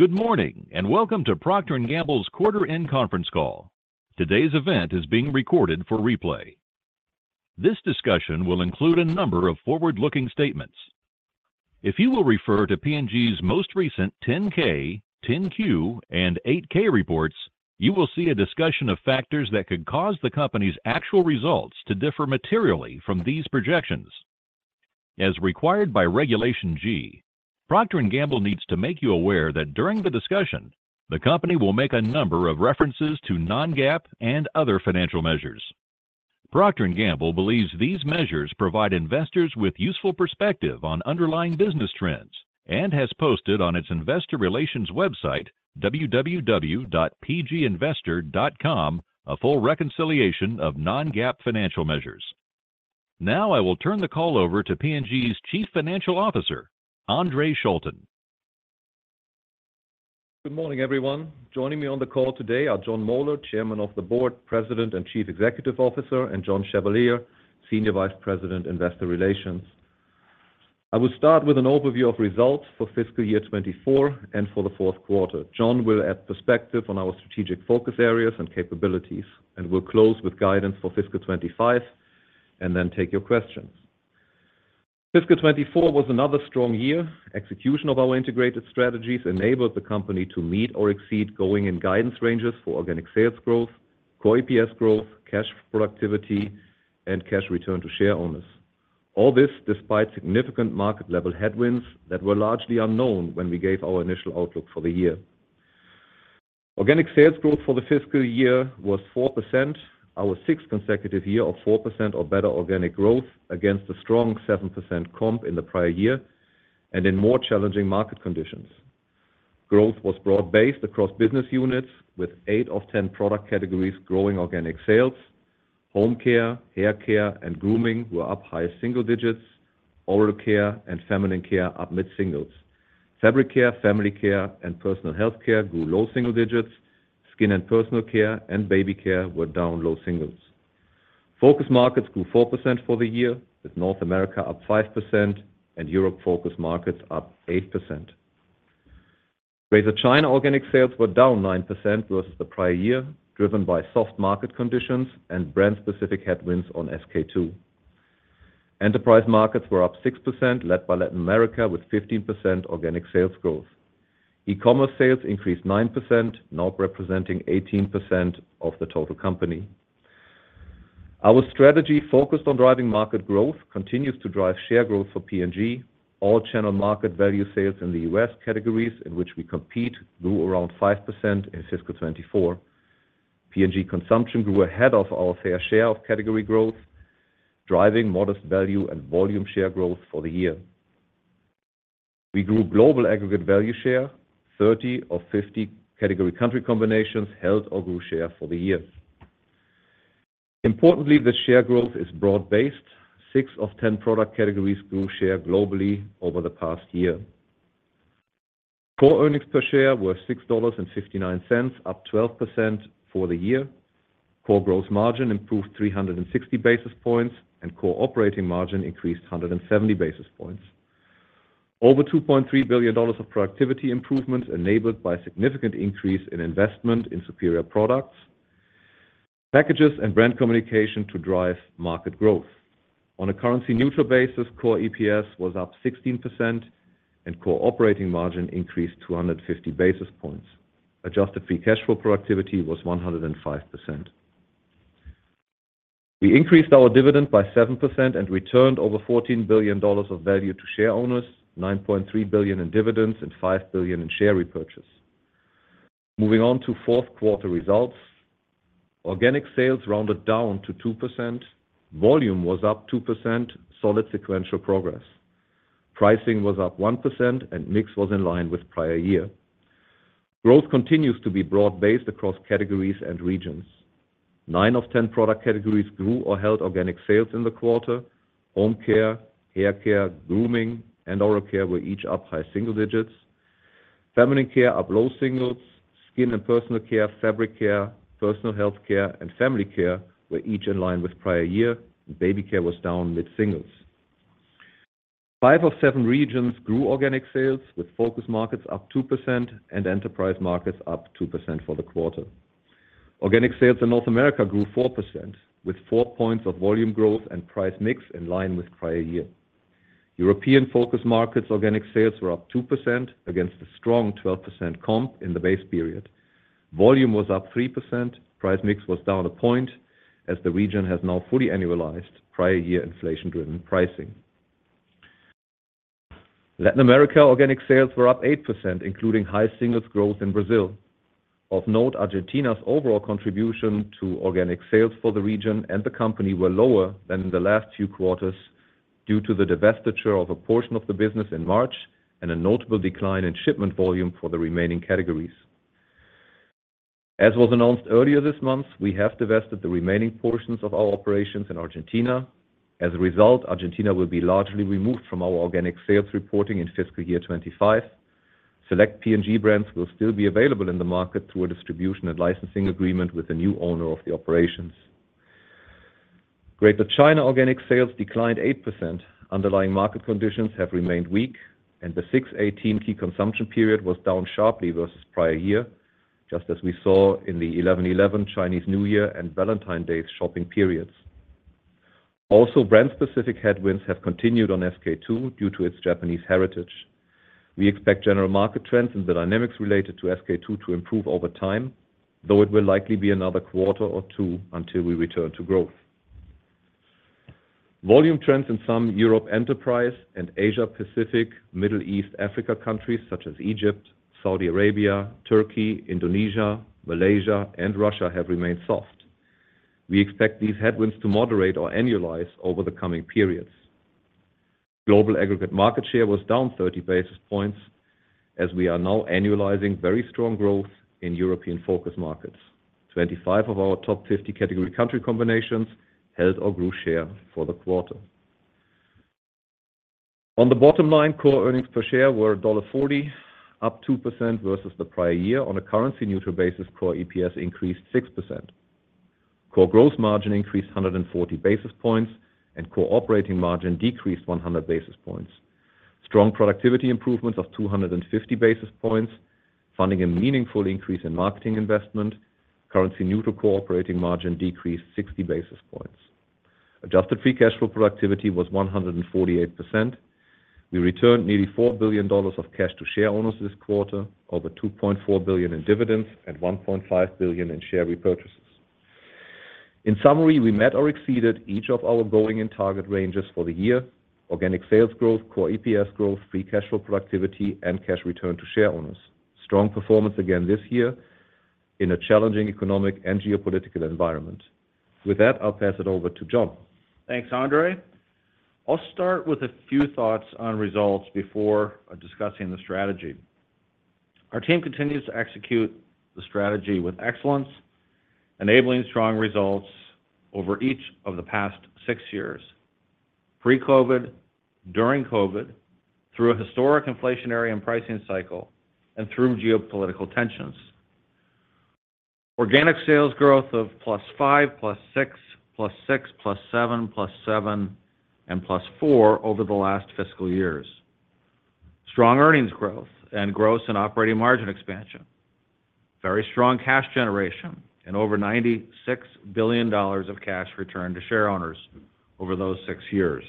Good morning and welcome to Procter & Gamble's quarter-end conference call. Today's event is being recorded for replay. This discussion will include a number of forward-looking statements. If you will refer to P&G's most recent 10-K, 10-Q, and 8-K reports, you will see a discussion of factors that could cause the company's actual results to differ materially from these projections. As required by Regulation G, Procter & Gamble needs to make you aware that during the discussion, the company will make a number of references to non-GAAP and other financial measures. Procter & Gamble believes these measures provide investors with useful perspective on underlying business trends and has posted on its investor relations website, www.pginvestor.com, a full reconciliation of non-GAAP financial measures. Now I will turn the call over to P&G's Chief Financial Officer, Andre Schulten. Good morning, everyone. Joining me on the call today are Jon Moeller, Chairman of the Board, President and Chief Executive Officer, and John Chevalier, Senior Vice President, Investor Relations. I will start with an overview of results for fiscal year 2024 and for the fourth quarter. Jon will add perspective on our strategic focus areas and capabilities, and we'll close with guidance for fiscal 2025 and then take your questions. Fiscal 2024 was another strong year. Execution of our integrated strategies enabled the company to meet or exceed going in guidance ranges for organic sales growth, core EPS growth, cash productivity, and cash return to share owners. All this despite significant market-level headwinds that were largely unknown when we gave our initial outlook for the year. Organic sales growth for the fiscal year was 4%, our sixth consecutive year of 4% or better organic growth against a strong 7% comp in the prior year and in more challenging market conditions. Growth was broad-based across business units, with 8 of 10 product categories growing organic sales. Home care, hair care, and grooming were up high single digits. Oral care and feminine care up mid-singles. Fabric care, family care, and personal health care grew low single digits. Skin and personal care and baby care were down low singles. Focus markets grew 4% for the year, with North America up 5% and Europe focus markets up 8%. Greater China organic sales were down 9% versus the prior year, driven by soft market conditions and brand-specific headwinds on SK-II. Enterprise markets were up 6%, led by Latin America, with 15% organic sales growth. E-commerce sales increased 9%, now representing 18% of the total company. Our strategy focused on driving market growth continues to drive share growth for P&G. All-channel market value sales in the U.S. categories in which we compete grew around 5% in fiscal 2024. P&G consumption grew ahead of our fair share of category growth, driving modest value and volume share growth for the year. We grew global aggregate value share, 30 of 50 category country combinations held or grew share for the year. Importantly, the share growth is broad-based. 6 of 10 product categories grew share globally over the past year. Core earnings per share were $6.59, up 12% for the year. Core gross margin improved 360 basis points, and core operating margin increased 170 basis points. Over $2.3 billion of productivity improvements enabled by significant increase in investment in superior products, packages, and brand communication to drive market growth. On a currency-neutral basis, core EPS was up 16%, and core operating margin increased 250 basis points. Adjusted free cash flow productivity was 105%. We increased our dividend by 7% and returned over $14 billion of value to share owners, $9.3 billion in dividends, and $5 billion in share repurchase. Moving on to fourth quarter results, organic sales rounded down to 2%. Volume was up 2%, solid sequential progress. Pricing was up 1%, and mix was in line with prior year. Growth continues to be broad-based across categories and regions. Nine of 10 product categories grew or held organic sales in the quarter. Home care, hair care, grooming, and oral care were each up high single digits. Feminine care up low singles. Skin and personal care, fabric care, personal health care, and family care were each in line with prior year. Baby care was down mid-singles. 5 of 7 regions grew organic sales, with focus markets up 2% and enterprise markets up 2% for the quarter. Organic sales in North America grew 4%, with four points of volume growth and price mix in line with prior year. European focus markets' organic sales were up 2% against a strong 12% comp in the base period. Volume was up 3%. Price mix was down a point as the region has now fully annualized prior year inflation-driven pricing. Latin America organic sales were up 8%, including high singles growth in Brazil. Of note, Argentina's overall contribution to organic sales for the region and the company were lower than in the last few quarters due to the divestiture of a portion of the business in March and a notable decline in shipment volume for the remaining categories. As was announced earlier this month, we have divested the remaining portions of our operations in Argentina. As a result, Argentina will be largely removed from our organic sales reporting in fiscal year 2025. Select P&G brands will still be available in the market through a distribution and licensing agreement with a new owner of the operations. Greater China organic sales declined 8%. Underlying market conditions have remained weak, and the 6/18 key consumption period was down sharply versus prior year, just as we saw in the 11/11 Chinese New Year and Valentine's Day shopping periods. Also, brand-specific headwinds have continued on SK-II due to its Japanese heritage. We expect general market trends and the dynamics related to SK-II to improve over time, though it will likely be another quarter or two until we return to growth. Volume trends in some Europe enterprise and Asia-Pacific, Middle East, Africa countries such as Egypt, Saudi Arabia, Turkey, Indonesia, Malaysia, and Russia have remained soft. We expect these headwinds to moderate or annualize over the coming periods. Global aggregate market share was down 30 basis points as we are now annualizing very strong growth in European focus markets. 25 of our top 50 category country combinations held or grew share for the quarter. On the bottom line, Core earnings per share were $1.40, up 2% versus the prior year. On a currency-neutral basis, Core EPS increased 6%. Core gross margin increased 140 basis points, and Core operating margin decreased 100 basis points. Strong productivity improvements of 250 basis points, funding a meaningful increase in marketing investment. Currency-neutral Core operating margin decreased 60 basis points. Adjusted free cash flow productivity was 148%. We returned nearly $4 billion of cash to share owners this quarter, over $2.4 billion in dividends and $1.5 billion in share repurchases. In summary, we met or exceeded each of our going in target ranges for the year: organic sales growth, core EPS growth, free cash flow productivity, and cash return to share owners. Strong performance again this year in a challenging economic and geopolitical environment. With that, I'll pass it over to Jon. Thanks, Andre. I'll start with a few thoughts on results before discussing the strategy. Our team continues to execute the strategy with excellence, enabling strong results over each of the past six years: pre-COVID, during COVID, through a historic inflationary and pricing cycle, and through geopolitical tensions. Organic sales growth of +5%, +6%, +6%, +7%, +7%, and +4% over the last fiscal years. Strong earnings growth and gross and operating margin expansion. Very strong cash generation and over $96 billion of cash return to share owners over those six years.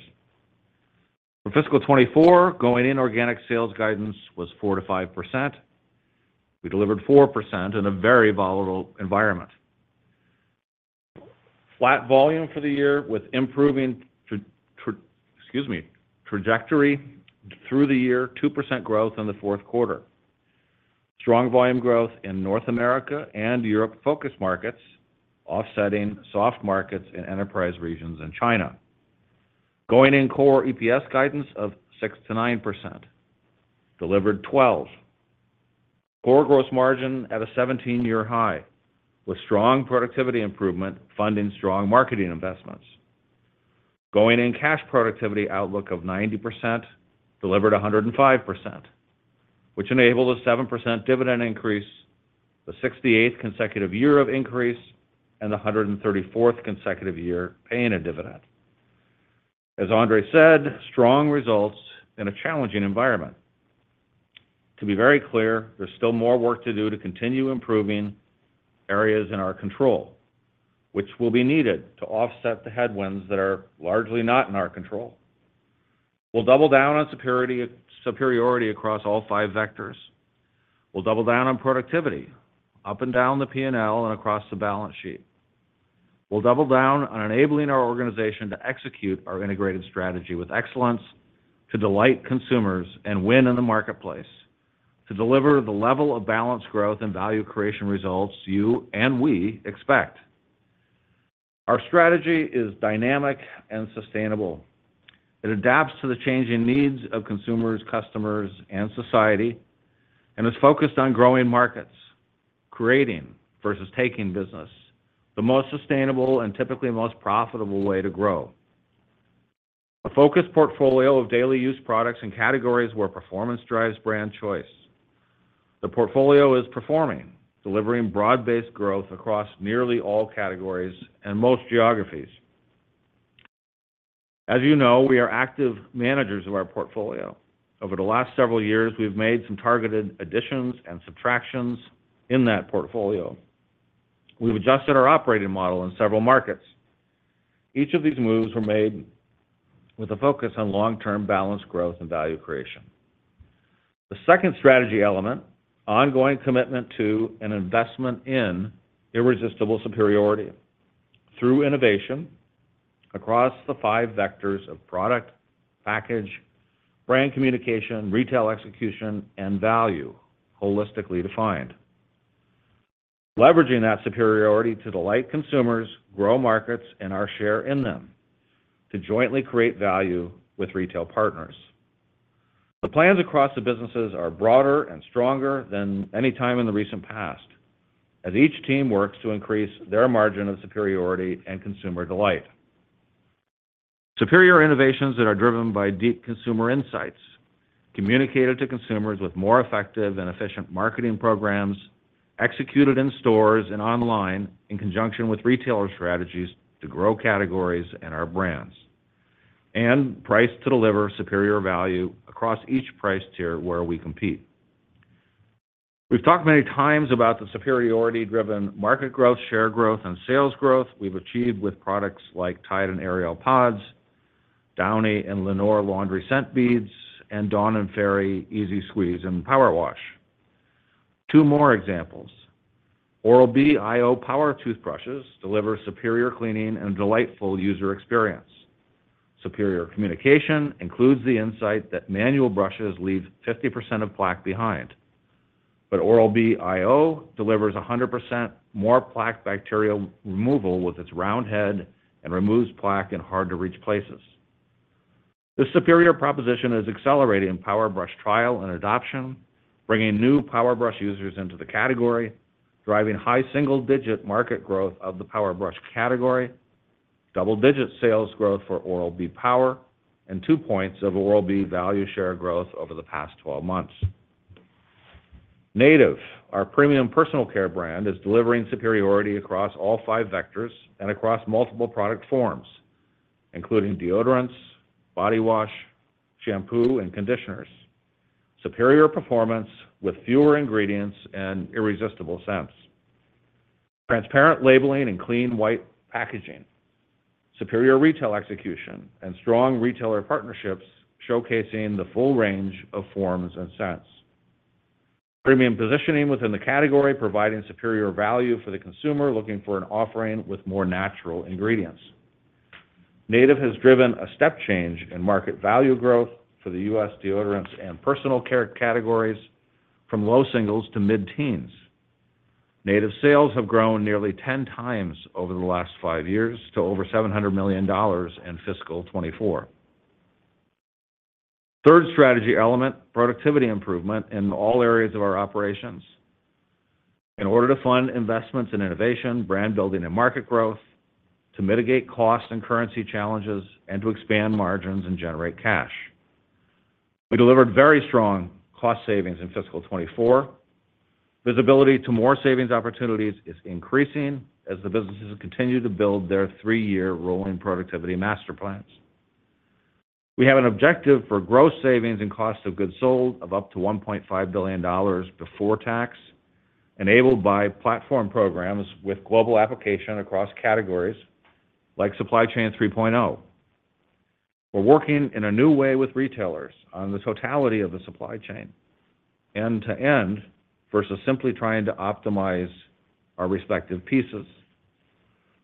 For fiscal 2024, going in organic sales guidance was 4%-5%. We delivered 4% in a very volatile environment. Flat volume for the year with improving trajectory through the year, 2% growth in the fourth quarter. Strong volume growth in North America and Europe Focus markets, offsetting soft markets in Enterprise regions and China. Going-in core EPS guidance of 6%-9%. Delivered 12%. Core gross margin at a 17-year high with strong productivity improvement, funding strong marketing investments. Going-in cash productivity outlook of 90%, delivered 105%, which enabled a 7% dividend increase, the 68th consecutive year of increase, and the 134th consecutive year paying a dividend. As Andre said, strong results in a challenging environment. To be very clear, there's still more work to do to continue improving areas in our control, which will be needed to offset the headwinds that are largely not in our control. We'll double down on superiority across all five vectors. We'll double down on productivity, up and down the P&L and across the balance sheet. We'll double down on enabling our organization to execute our integrated strategy with excellence to delight consumers and win in the marketplace, to deliver the level of balanced growth and value creation results you and we expect. Our strategy is dynamic and sustainable. It adapts to the changing needs of consumers, customers, and society, and is focused on growing markets, creating versus taking business, the most sustainable and typically most profitable way to grow. A focused portfolio of daily use products and categories where performance drives brand choice. The portfolio is performing, delivering broad-based growth across nearly all categories and most geographies. As you know, we are active managers of our portfolio. Over the last several years, we've made some targeted additions and subtractions in that portfolio. We've adjusted our operating model in several markets. Each of these moves were made with a focus on long-term balanced growth and value creation. The second strategy element, ongoing commitment to and investment in irresistible superiority through innovation across the five vectors of product, package, brand communication, retail execution, and value holistically defined. Leveraging that superiority to delight consumers, grow markets, and our share in them to jointly create value with retail partners. The plans across the businesses are broader and stronger than any time in the recent past as each team works to increase their margin of superiority and consumer delight. Superior innovations that are driven by deep consumer insights, communicated to consumers with more effective and efficient marketing programs, executed in stores and online in conjunction with retailer strategies to grow categories and our brands, and price to deliver superior value across each price tier where we compete. We've talked many times about the superiority-driven market growth, share growth, and sales growth we've achieved with products like Tide and Ariel Pods, Downy and Lenor Laundry Scent Beads, and Dawn and Fairy EZ-Squeeze and Powerwash. Two more examples. Oral-B iO Power Toothbrushes deliver superior cleaning and delightful user experience. Superior communication includes the insight that manual brushes leave 50% of plaque behind, but Oral-B iO delivers 100% more plaque bacterial removal with its round head and removes plaque in hard-to-reach places. This superior proposition is accelerating Power Brush trial and adoption, bringing new Power Brush users into the category, driving high single-digit market growth of the Power Brush category, double-digit sales growth for Oral-B Power, and two points of Oral-B value share growth over the past 12 months. Native, our premium personal care brand, is delivering superiority across all five vectors and across multiple product forms, including deodorants, body wash, shampoo, and conditioners. Superior performance with fewer ingredients and irresistible scents. Transparent labeling and clean white packaging. Superior retail execution and strong retailer partnerships showcasing the full range of forms and scents. Premium positioning within the category providing superior value for the consumer looking for an offering with more natural ingredients. Native has driven a step change in market value growth for the U.S. deodorants and personal care categories from low singles to mid-teens. Native sales have grown nearly 10 times over the last five years to over $700 million in fiscal 2024. Third strategy element, productivity improvement in all areas of our operations. In order to fund investments in innovation, brand building, and market growth, to mitigate cost and currency challenges, and to expand margins and generate cash. We delivered very strong cost savings in fiscal 2024. Visibility to more savings opportunities is increasing as the businesses continue to build their three-year rolling productivity master plans. We have an objective for gross savings and cost of goods sold of up to $1.5 billion before tax, enabled by platform programs with global application across categories like Supply Chain 3.0. We're working in a new way with retailers on the totality of the supply chain, end to end versus simply trying to optimize our respective pieces.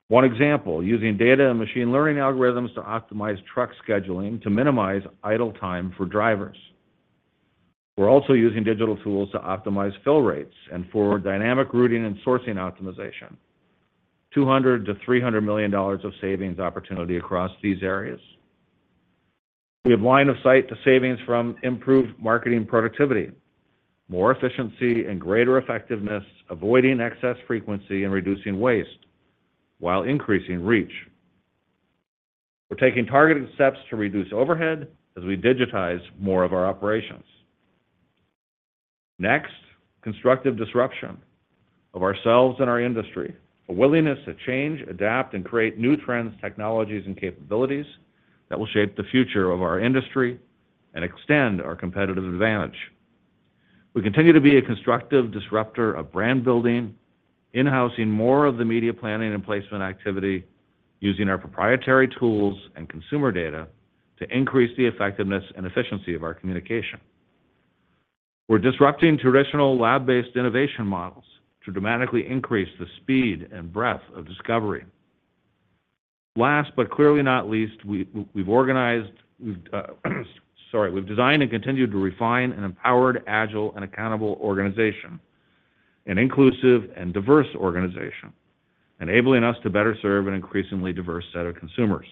One example, using data and machine learning algorithms to optimize truck scheduling to minimize idle time for drivers. We're also using digital tools to optimize fill rates and for dynamic routing and sourcing optimization. $200-$300 million of savings opportunity across these areas. We have line of sight to savings from improved marketing productivity, more efficiency and greater effectiveness, avoiding excess frequency and reducing waste while increasing reach. We're taking targeted steps to reduce overhead as we digitize more of our operations. Next, constructive disruption of ourselves and our industry, a willingness to change, adapt, and create new trends, technologies, and capabilities that will shape the future of our industry and extend our competitive advantage. We continue to be a constructive disruptor of brand building, in-housing more of the media planning and placement activity using our proprietary tools and consumer data to increase the effectiveness and efficiency of our communication. We're disrupting traditional lab-based innovation models to dramatically increase the speed and breadth of discovery. Last, but clearly not least, we've designed and continued to refine an empowered, agile, and accountable organization, an inclusive and diverse organization, enabling us to better serve an increasingly diverse set of consumers.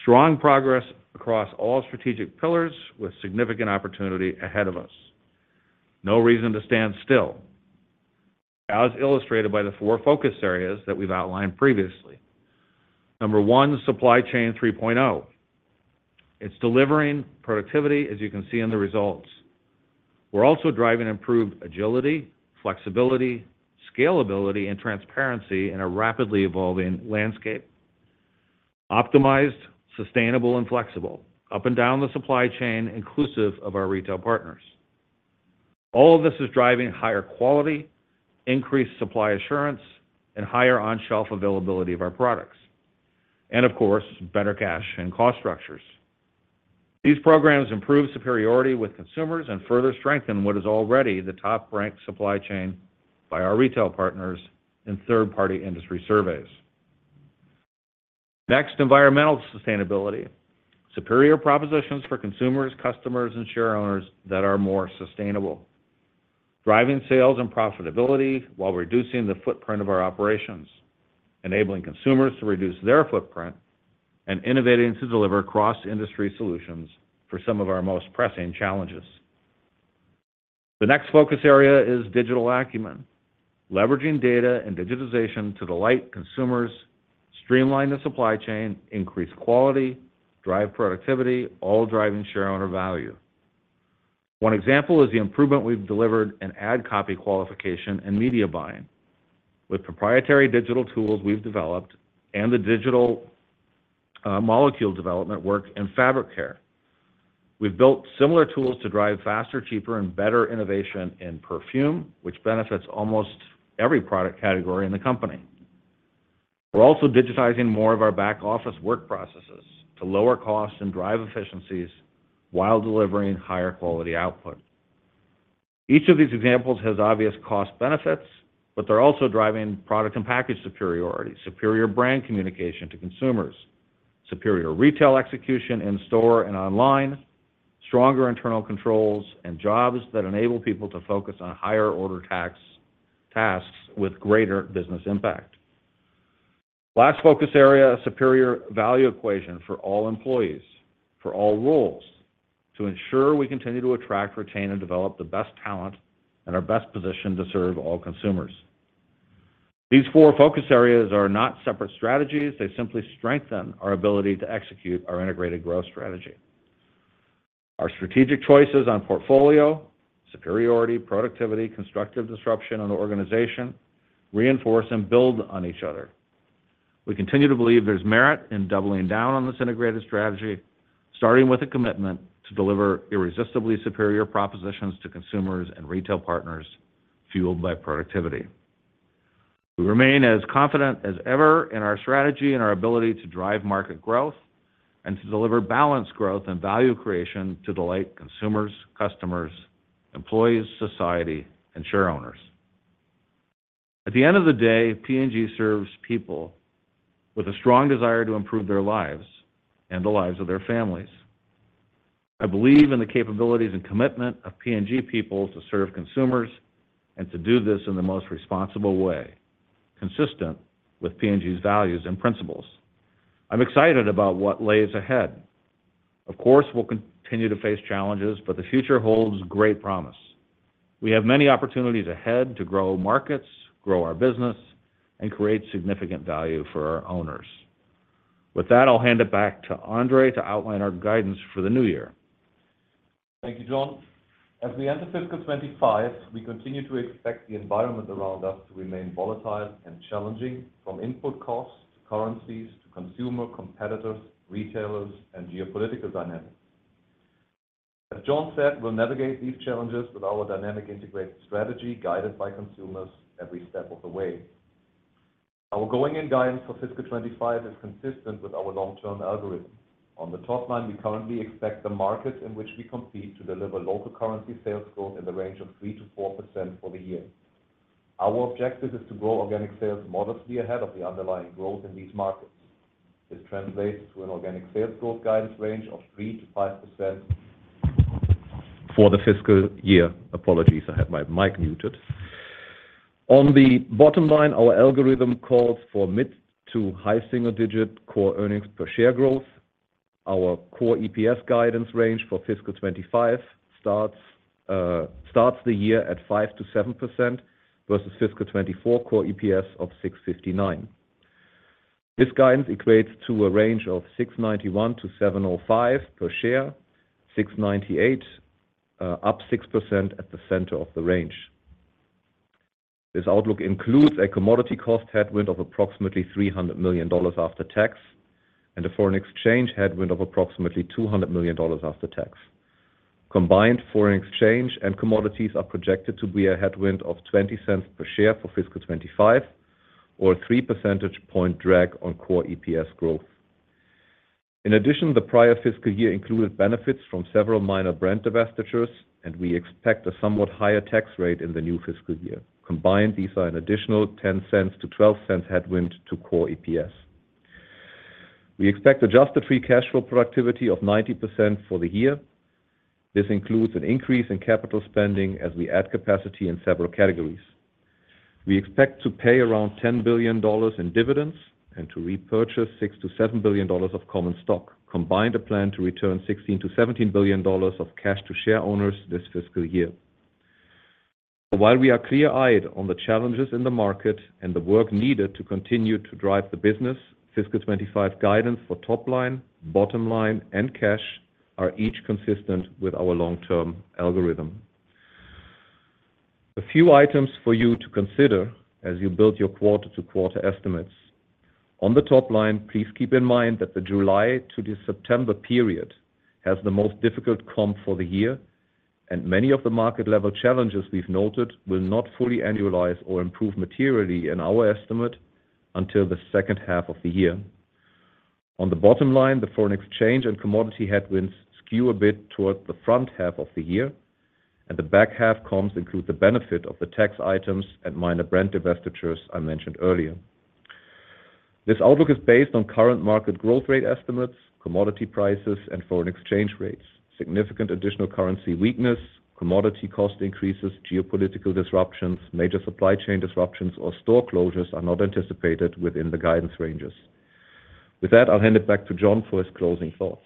Strong progress across all strategic pillars with significant opportunity ahead of us. No reason to stand still, as illustrated by the four focus areas that we've outlined previously. Number one, Supply Chain 3.0. It's delivering productivity, as you can see in the results. We're also driving improved agility, flexibility, scalability, and transparency in a rapidly evolving landscape. Optimized, sustainable, and flexible, up and down the supply chain, inclusive of our retail partners. All of this is driving higher quality, increased supply assurance, and higher on-shelf availability of our products. And of course, better cash and cost structures. These programs improve superiority with consumers and further strengthen what is already the top-ranked supply chain by our retail partners in third-party industry surveys. Next, environmental sustainability. Superior propositions for consumers, customers, and share owners that are more sustainable. Driving sales and profitability while reducing the footprint of our operations, enabling consumers to reduce their footprint, and innovating to deliver cross-industry solutions for some of our most pressing challenges. The next focus area is digital acumen. Leveraging data and digitization to delight consumers, streamline the supply chain, increase quality, drive productivity, all driving shareholder value. One example is the improvement we've delivered in ad copy qualification and media buying. With proprietary digital tools we've developed and the digital molecule development work in fabric care, we've built similar tools to drive faster, cheaper, and better innovation in perfume, which benefits almost every product category in the company. We're also digitizing more of our back-office work processes to lower costs and drive efficiencies while delivering higher quality output. Each of these examples has obvious cost benefits, but they're also driving product and package superiority, superior brand communication to consumers, superior retail execution in store and online, stronger internal controls, and jobs that enable people to focus on higher order tasks with greater business impact. Last focus area, a superior value equation for all employees, for all roles, to ensure we continue to attract, retain, and develop the best talent and our best position to serve all consumers. These four focus areas are not separate strategies. They simply strengthen our ability to execute our integrated growth strategy. Our strategic choices on portfolio, superiority, productivity, constructive disruption in the organization reinforce and build on each other. We continue to believe there's merit in doubling down on this integrated strategy, starting with a commitment to deliver irresistibly superior propositions to consumers and retail partners fueled by productivity. We remain as confident as ever in our strategy and our ability to drive market growth and to deliver balanced growth and value creation to delight consumers, customers, employees, society, and share owners. At the end of the day, P&G serves people with a strong desire to improve their lives and the lives of their families. I believe in the capabilities and commitment of P&G people to serve consumers and to do this in the most responsible way, consistent with P&G's values and principles. I'm excited about what lies ahead. Of course, we'll continue to face challenges, but the future holds great promise. We have many opportunities ahead to grow markets, grow our business, and create significant value for our owners. With that, I'll hand it back to Andre to outline our guidance for the new year. Thank you, Jon. As we enter fiscal 2025, we continue to expect the environment around us to remain volatile and challenging, from input costs to currencies to consumer competitors, retailers, and geopolitical dynamics. As Jon said, we'll navigate these challenges with our dynamic integrated strategy guided by consumers every step of the way. Our going-in guidance for fiscal 2025 is consistent with our long-term algorithm. On the top line, we currently expect the markets in which we compete to deliver local currency sales growth in the range of 3%-4% for the year. Our objective is to grow organic sales modestly ahead of the underlying growth in these markets. This translates to an organic sales growth guidance range of 3%-5% for the fiscal year. Apologies, I had my mic muted. On the bottom line, our algorithm calls for mid- to high single-digit core earnings per share growth. Our core EPS guidance range for fiscal 2025 starts the year at 5%-7% versus fiscal 2024 core EPS of 6.59. This guidance equates to a range of 6.91-7.05 per share, 6.98 up 6% at the center of the range. This outlook includes a commodity cost headwind of approximately $300 million after tax and a foreign exchange headwind of approximately $200 million after tax. Combined, foreign exchange and commodities are projected to be a headwind of $0.20 per share for fiscal 2025, or a three percentage point drag on core EPS growth. In addition, the prior fiscal year included benefits from several minor brand divestitures, and we expect a somewhat higher tax rate in the new fiscal year. Combined, these are an additional $0.10-$0.12 headwind to Core EPS. We expect adjusted free cash flow productivity of 90% for the year. This includes an increase in capital spending as we add capacity in several categories. We expect to pay around $10 billion in dividends and to repurchase $6-$7 billion of common stock. Combined, a plan to return $16-$17 billion of cash to share owners this fiscal year. While we are clear-eyed on the challenges in the market and the work needed to continue to drive the business, fiscal 2025 guidance for top line, bottom line, and cash are each consistent with our long-term algorithm. A few items for you to consider as you build your quarter-to-quarter estimates. On the top line, please keep in mind that the July to September period has the most difficult comp for the year, and many of the market-level challenges we've noted will not fully annualize or improve materially in our estimate until the second half of the year. On the bottom line, the foreign exchange and commodity headwinds skew a bit toward the front half of the year, and the back half comps include the benefit of the tax items and minor brand divestitures I mentioned earlier. This outlook is based on current market growth rate estimates, commodity prices, and foreign exchange rates. Significant additional currency weakness, commodity cost increases, geopolitical disruptions, major supply chain disruptions, or store closures are not anticipated within the guidance ranges. With that, I'll hand it back to Jon for his closing thoughts.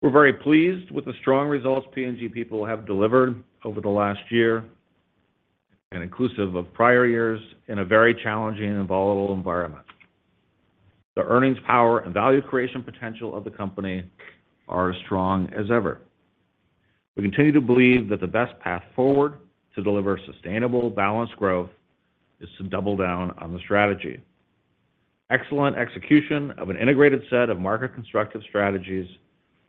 We're very pleased with the strong results P&G people have delivered over the last year and inclusive of prior years in a very challenging and volatile environment. The earnings power and value creation potential of the company are as strong as ever. We continue to believe that the best path forward to deliver sustainable, balanced growth is to double down on the strategy. Excellent execution of an integrated set of market constructive strategies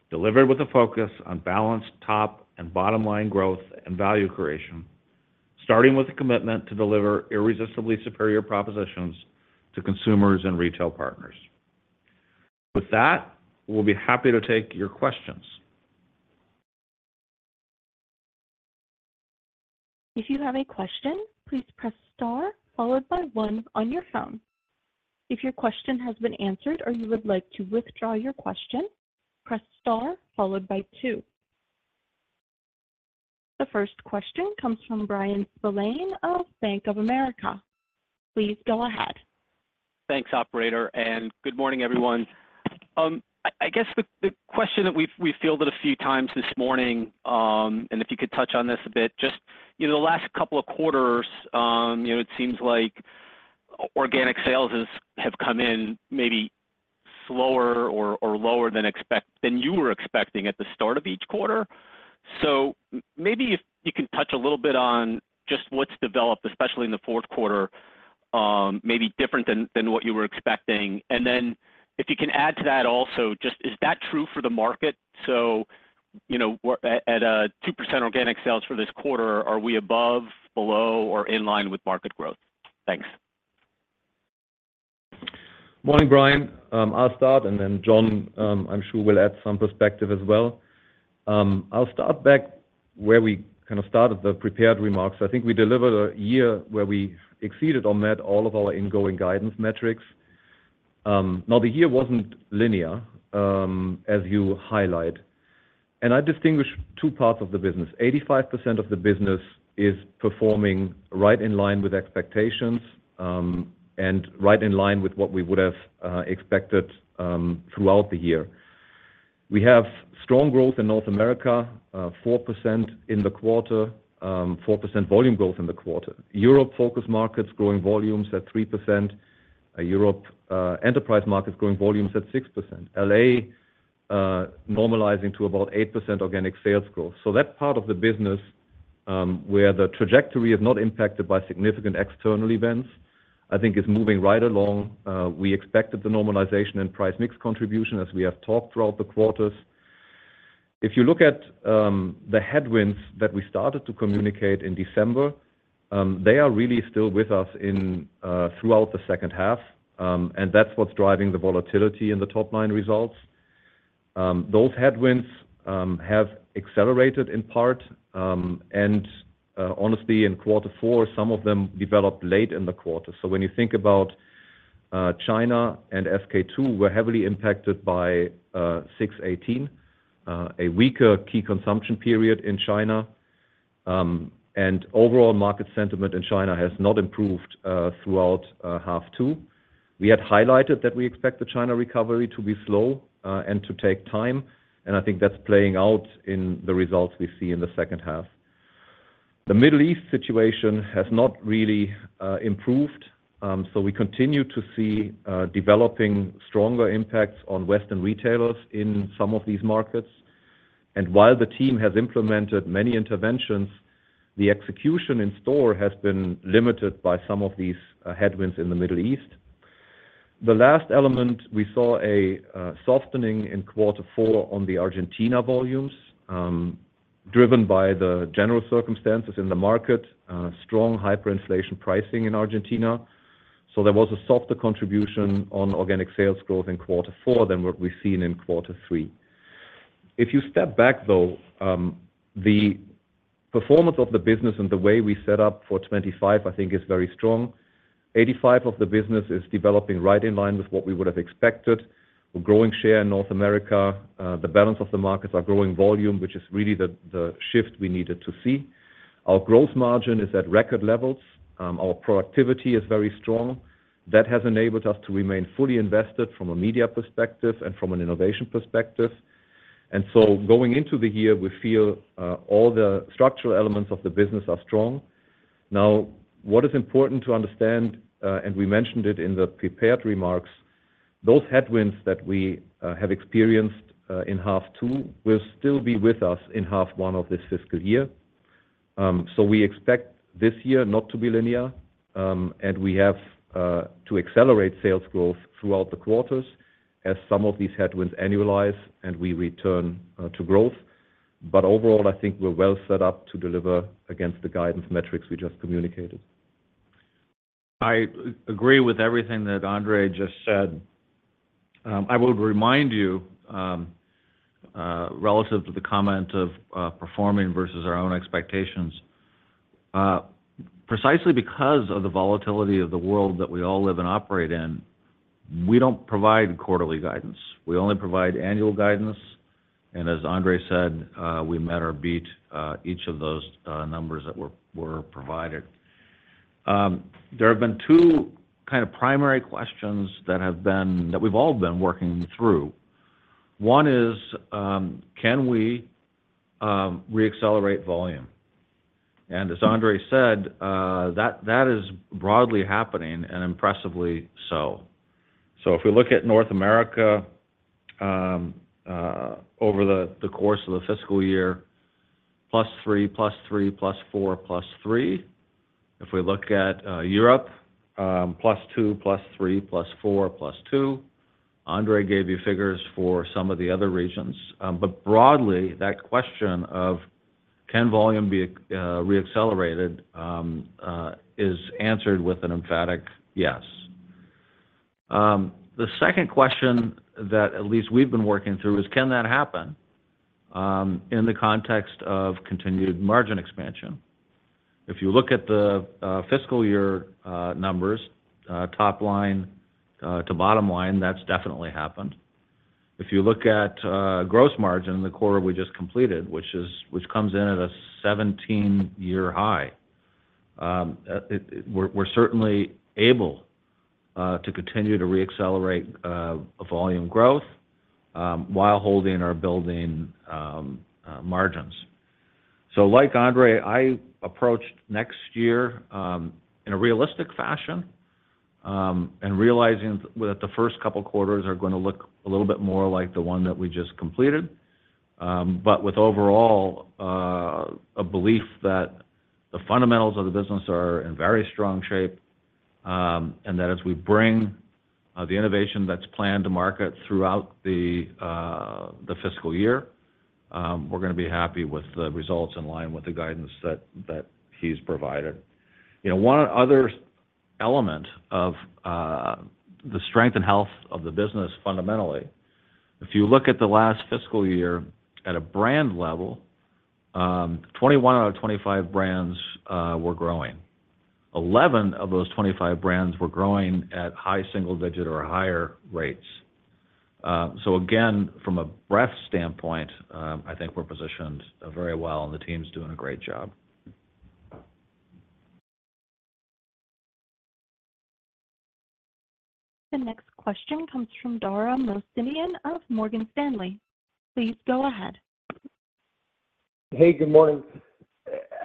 delivered with a focus on balanced top and bottom line growth and value creation, starting with a commitment to deliver irresistibly superior propositions to consumers and retail partners. With that, we'll be happy to take your questions. If you have a question, please press star followed by one on your phone. If your question has been answered or you would like to withdraw your question, press star followed by two. The first question comes from Bryan Spillane of Bank of America. Please go ahead. Thanks, Operator. And good morning, everyone. I guess the question that we've fielded a few times this morning, and if you could touch on this a bit, just the last couple of quarters, it seems like organic sales have come in maybe slower or lower than you were expecting at the start of each quarter. So maybe if you can touch a little bit on just what's developed, especially in the fourth quarter, maybe different than what you were expecting. And then if you can add to that also, just is that true for the market? So at a 2% organic sales for this quarter, are we above, below, or in line with market growth? Thanks. Morning, Brian. I'll start, and then Jon, I'm sure, will add some perspective as well. I'll start back where we kind of started the prepared remarks. I think we delivered a year where we exceeded or met all of our incoming guidance metrics. Now, the year wasn't linear, as you highlight. I distinguish two parts of the business. 85% of the business is performing right in line with expectations and right in line with what we would have expected throughout the year. We have strong growth in North America, 4% in the quarter, 4% volume growth in the quarter. Europe Focus markets growing volumes at 3%. Europe Enterprise markets growing volumes at 6%. LA normalizing to about 8% organic sales growth. That part of the business where the trajectory is not impacted by significant external events, I think, is moving right along. We expected the normalization in price mix contribution as we have talked throughout the quarters. If you look at the headwinds that we started to communicate in December, they are really still with us throughout the second half, and that's what's driving the volatility in the top line results. Those headwinds have accelerated in part. And honestly, in quarter four, some of them developed late in the quarter. So when you think about China and SK-II, we're heavily impacted by 6.18, a weaker key consumption period in China. And overall market sentiment in China has not improved throughout half two. We had highlighted that we expect the China recovery to be slow and to take time, and I think that's playing out in the results we see in the second half. The Middle East situation has not really improved, so we continue to see developing stronger impacts on Western retailers in some of these markets. And while the team has implemented many interventions, the execution in store has been limited by some of these headwinds in the Middle East. The last element, we saw a softening in quarter four on the Argentina volumes, driven by the general circumstances in the market, strong hyperinflation pricing in Argentina. So there was a softer contribution on organic sales growth in quarter four than what we've seen in quarter three. If you step back, though, the performance of the business and the way we set up for 2025, I think, is very strong. 85% of the business is developing right in line with what we would have expected. We're growing share in North America. The balance of the markets are growing volume, which is really the shift we needed to see. Our gross margin is at record levels. Our productivity is very strong. That has enabled us to remain fully invested from a media perspective and from an innovation perspective. And so going into the year, we feel all the structural elements of the business are strong. Now, what is important to understand, and we mentioned it in the prepared remarks, those headwinds that we have experienced in half two will still be with us in half one of this fiscal year. So we expect this year not to be linear, and we have to accelerate sales growth throughout the quarters as some of these headwinds annualize and we return to growth. But overall, I think we're well set up to deliver against the guidance metrics we just communicated. I agree with everything that Andre just said. I would remind you relative to the comment of performing versus our own expectations. Precisely because of the volatility of the world that we all live and operate in, we don't provide quarterly guidance. We only provide annual guidance. As Andre said, we met or beat each of those numbers that were provided. There have been two kind of primary questions that we've all been working through. One is, can we reaccelerate volume? And as Andre said, that is broadly happening and impressively so. So if we look at North America over the course of the fiscal year, +3%, +3%, +4%, +3%. If we look at Europe, +2%, +3%, +4%, +2%. Andre gave you figures for some of the other regions. But broadly, that question of can volume be reaccelerated is answered with an emphatic yes. The second question that at least we've been working through is, can that happen in the context of continued margin expansion? If you look at the fiscal year numbers, top line to bottom line, that's definitely happened. If you look at gross margin in the quarter we just completed, which comes in at a 17-year high, we're certainly able to continue to reaccelerate volume growth while holding our building margins. So like Andre, I approached next year in a realistic fashion and realizing that the first couple of quarters are going to look a little bit more like the one that we just completed, but with overall a belief that the fundamentals of the business are in very strong shape and that as we bring the innovation that's planned to market throughout the fiscal year, we're going to be happy with the results in line with the guidance that he's provided. One other element of the strength and health of the business fundamentally, if you look at the last fiscal year at a brand level, 21 out of 25 brands were growing. 11 of those 25 brands were growing at high single-digit or higher rates. So again, from a breadth standpoint, I think we're positioned very well, and the team's doing a great job. The next question comes from Dara Mohsenian of Morgan Stanley. Please go ahead. Hey, good morning.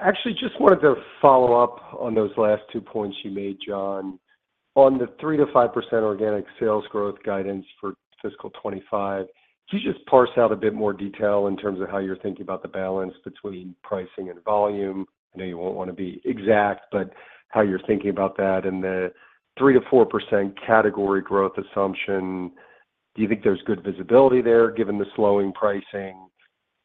Actually, just wanted to follow up on those last two points you made, Jon. On the 3%-5% organic sales growth guidance for fiscal 2025, could you just parse out a bit more detail in terms of how you're thinking about the balance between pricing and volume? I know you won't want to be exact, but how you're thinking about that and the 3%-4% category growth assumption. Do you think there's good visibility there given the slowing pricing?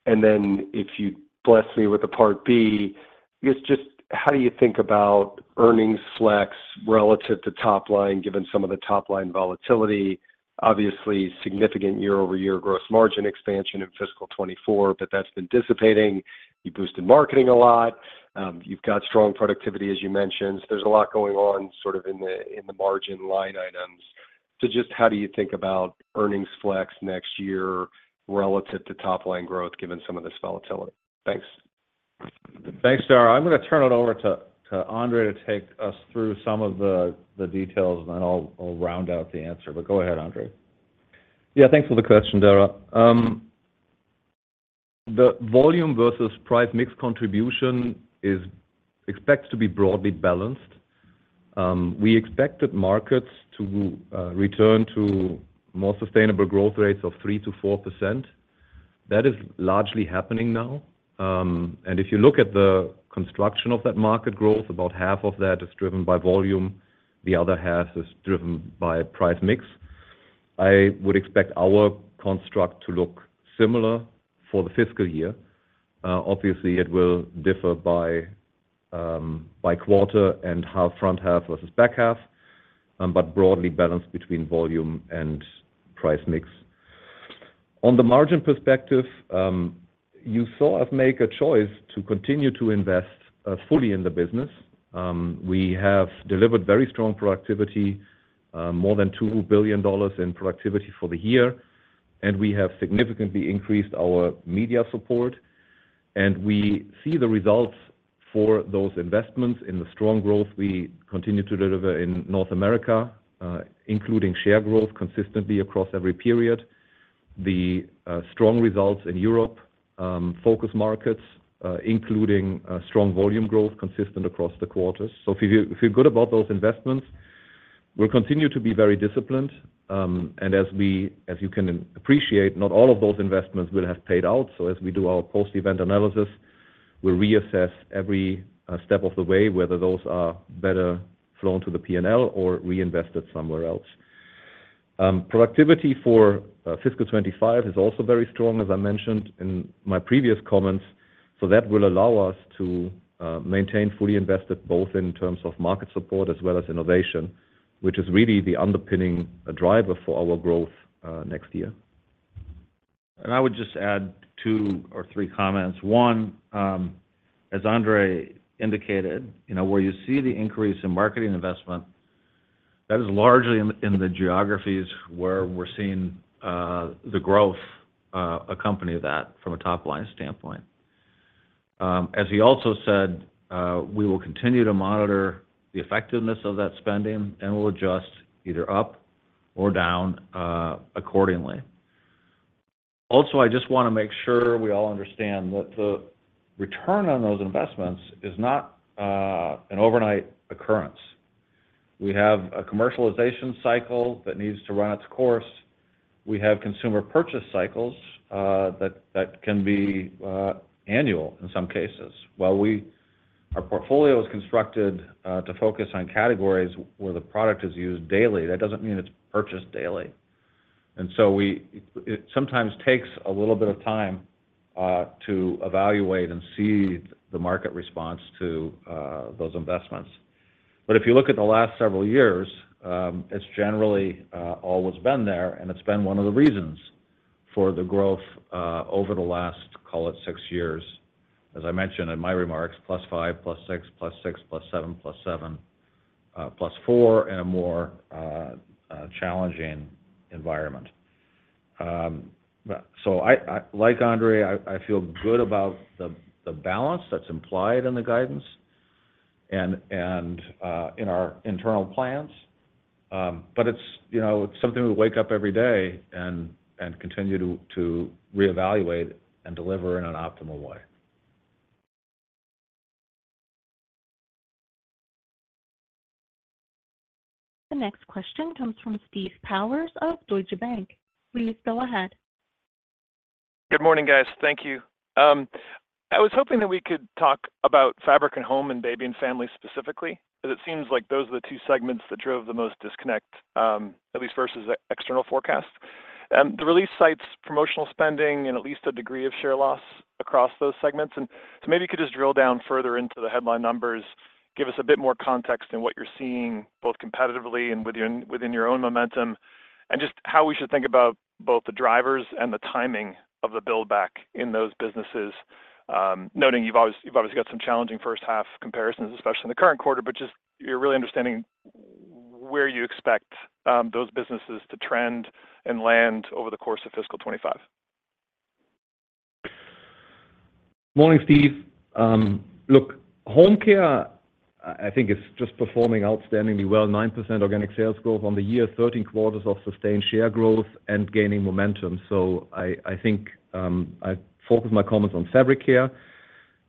And then if you bless me with a part B, just how do you think about earnings flex relative to top line given some of the top line volatility? Obviously, significant year-over-year gross margin expansion in fiscal 2024, but that's been dissipating. You boosted marketing a lot. You've got strong productivity, as you mentioned. There's a lot going on sort of in the margin line items. So just how do you think about earnings flex next year relative to top line growth given some of this volatility? Thanks. Thanks, Dara. I'm going to turn it over to Andre to take us through some of the details, and then I'll round out the answer. But go ahead, Andre. Yeah, thanks for the question, Dara. The volume versus price mix contribution is expected to be broadly balanced. We expected markets to return to more sustainable growth rates of 3%-4%. That is largely happening now. And if you look at the construction of that market growth, about half of that is driven by volume. The other half is driven by price mix. I would expect our construct to look similar for the fiscal year. Obviously, it will differ by quarter and how front half versus back half, but broadly balanced between volume and price mix. On the margin perspective, you saw us make a choice to continue to invest fully in the business. We have delivered very strong productivity, more than $2 billion in productivity for the year, and we have significantly increased our media support. And we see the results for those investments in the strong growth we continue to deliver in North America, including share growth consistently across every period, the strong results in Europe-focused markets, including strong volume growth consistent across the quarters. So if you feel good about those investments, we'll continue to be very disciplined. And as you can appreciate, not all of those investments will have paid out. So as we do our post-event analysis, we'll reassess every step of the way, whether those are better flown to the P&L or reinvested somewhere else. Productivity for fiscal 2025 is also very strong, as I mentioned in my previous comments. So that will allow us to maintain fully invested both in terms of market support as well as innovation, which is really the underpinning driver for our growth next year. And I would just add two or three comments. One, as Andre indicated, where you see the increase in marketing investment, that is largely in the geographies where we're seeing the growth accompany that from a top line standpoint. As he also said, we will continue to monitor the effectiveness of that spending, and we'll adjust either up or down accordingly. Also, I just want to make sure we all understand that the return on those investments is not an overnight occurrence. We have a commercialization cycle that needs to run its course. We have consumer purchase cycles that can be annual in some cases. While our portfolio is constructed to focus on categories where the product is used daily, that doesn't mean it's purchased daily. And so it sometimes takes a little bit of time to evaluate and see the market response to those investments. But if you look at the last several years, it's generally always been there, and it's been one of the reasons for the growth over the last, call it, 6 years. As I mentioned in my remarks, +5%, +6%, +6%, +7%, +7%, +4% in a more challenging environment. So like Andre, I feel good about the balance that's implied in the guidance and in our internal plans. But it's something we wake up every day and continue to reevaluate and deliver in an optimal way. The next question comes from Steve Powers of Deutsche Bank. Please go ahead. Good morning, guys. Thank you. I was hoping that we could talk about Fabric and Home and Baby and Family specifically, because it seems like those are the two segments that drove the most disconnect, at least versus external forecasts. The release cites promotional spending and at least a degree of share loss across those segments. And so maybe you could just drill down further into the headline numbers, give us a bit more context in what you're seeing both competitively and within your own momentum, and just how we should think about both the drivers and the timing of the buildback in those businesses, noting you've obviously got some challenging first-half comparisons, especially in the current quarter, but just you're really understanding where you expect those businesses to trend and land over the course of fiscal 2025. Morning, Steve. Look, home care, I think, is just performing outstandingly well. 9% organic sales growth on the year, 13 quarters of sustained share growth and gaining momentum. So I think I focus my comments on Fabric care.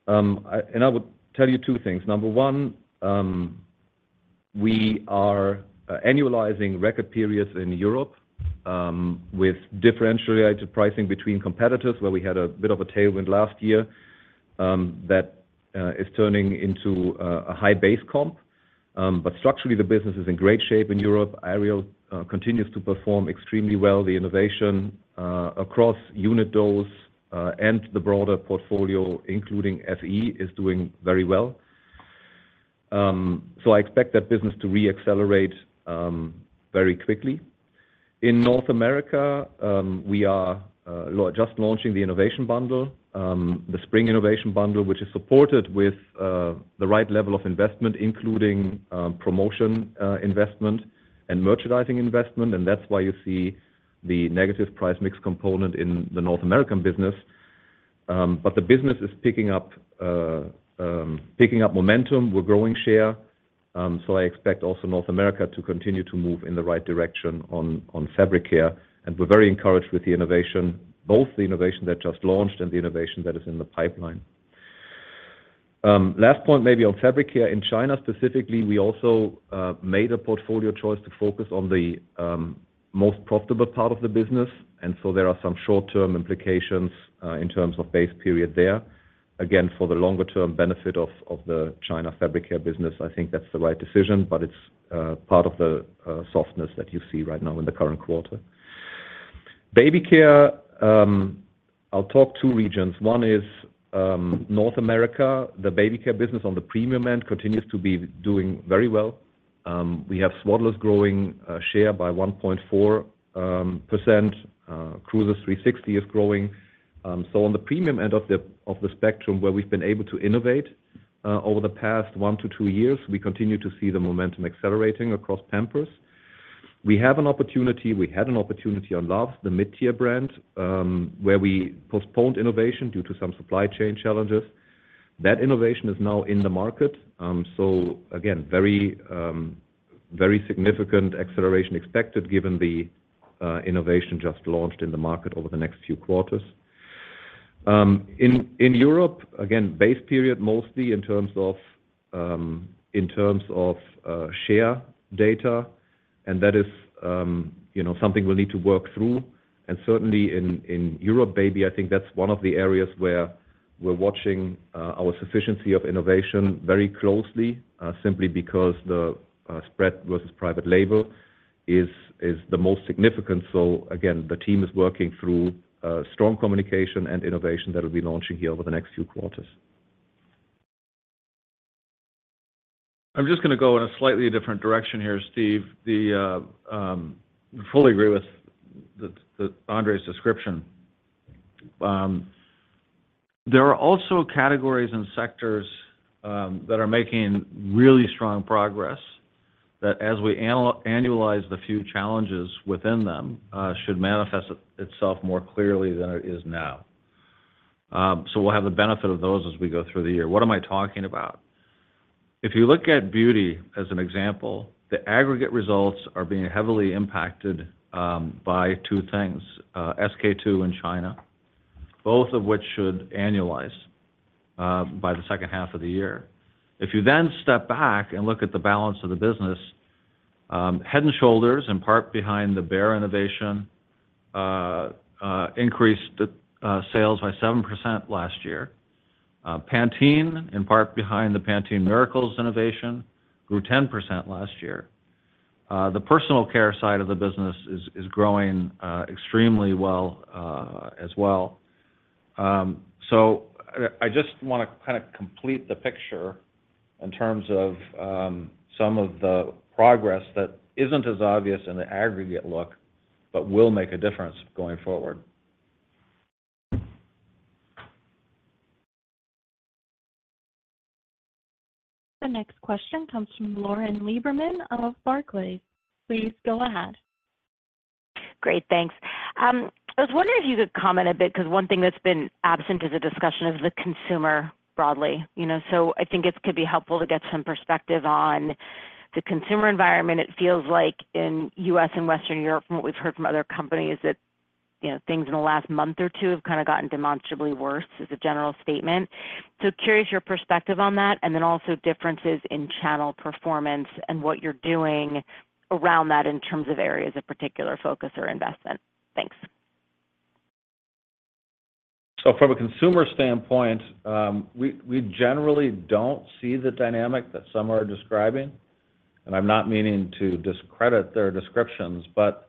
And I would tell you two things. Number one, we are annualizing record periods in Europe with differentiated pricing between competitors, where we had a bit of a tailwind last year that is turning into a high base comp. But structurally, the business is in great shape in Europe. Ariel continues to perform extremely well. The innovation across unit doses and the broader portfolio, including FE, is doing very well. So I expect that business to reaccelerate very quickly. In North America, we are just launching the innovation bundle, the spring innovation bundle, which is supported with the right level of investment, including promotion investment and merchandising investment. And that's why you see the negative price mix component in the North American business. But the business is picking up momentum. We're growing share. So I expect also North America to continue to move in the right direction on Fabric care. We're very encouraged with the innovation, both the innovation that just launched and the innovation that is in the pipeline. Last point, maybe on Fabric Care in China specifically, we also made a portfolio choice to focus on the most profitable part of the business. And so there are some short-term implications in terms of base period there. Again, for the longer-term benefit of the China Fabric Care business, I think that's the right decision, but it's part of the softness that you see right now in the current quarter. Baby Care, I'll talk two regions. One is North America. The Baby Care business on the premium end continues to be doing very well. We have Swaddlers growing share by 1.4%. Cruisers 360 is growing. So on the premium end of the spectrum, where we've been able to innovate over the past one to two years, we continue to see the momentum accelerating across Pampers. We have an opportunity. We had an opportunity on Luvs, the mid-tier brand, where we postponed innovation due to some supply chain challenges. That innovation is now in the market. So again, very significant acceleration expected given the innovation just launched in the market over the next few quarters. In Europe, again, base period mostly in terms of share data, and that is something we'll need to work through. And certainly in Europe baby, I think that's one of the areas where we're watching our sufficiency of innovation very closely, simply because the spread versus private label is the most significant. So again, the team is working through strong communication and innovation that will be launching here over the next few quarters. I'm just going to go in a slightly different direction here, Steve. I fully agree with Andre's description. There are also categories and sectors that are making really strong progress that, as we annualize the few challenges within them, should manifest itself more clearly than it is now. So we'll have the benefit of those as we go through the year. What am I talking about? If you look at beauty as an example, the aggregate results are being heavily impacted by two things, SK-II in China, both of which should annualize by the second half of the year. If you then step back and look at the balance of the business, Head & Shoulders, in part behind the Bare innovation, increased sales by 7% last year. Pantene, in part behind the Pantene Miracles innovation, grew 10% last year. The personal care side of the business is growing extremely well as well. So I just want to kind of complete the picture in terms of some of the progress that isn't as obvious in the aggregate look, but will make a difference going forward. The next question comes from Lauren Lieberman of Barclays. Please go ahead. Great. Thanks. I was wondering if you could comment a bit, because one thing that's been absent as a discussion is the consumer broadly. So I think it could be helpful to get some perspective on the consumer environment. It feels like in the U.S. and Western Europe, from what we've heard from other companies, that things in the last month or two have kind of gotten demonstrably worse is a general statement. Curious your perspective on that, and then also differences in channel performance and what you're doing around that in terms of areas of particular focus or investment. Thanks. From a consumer standpoint, we generally don't see the dynamic that some are describing. I'm not meaning to discredit their descriptions, but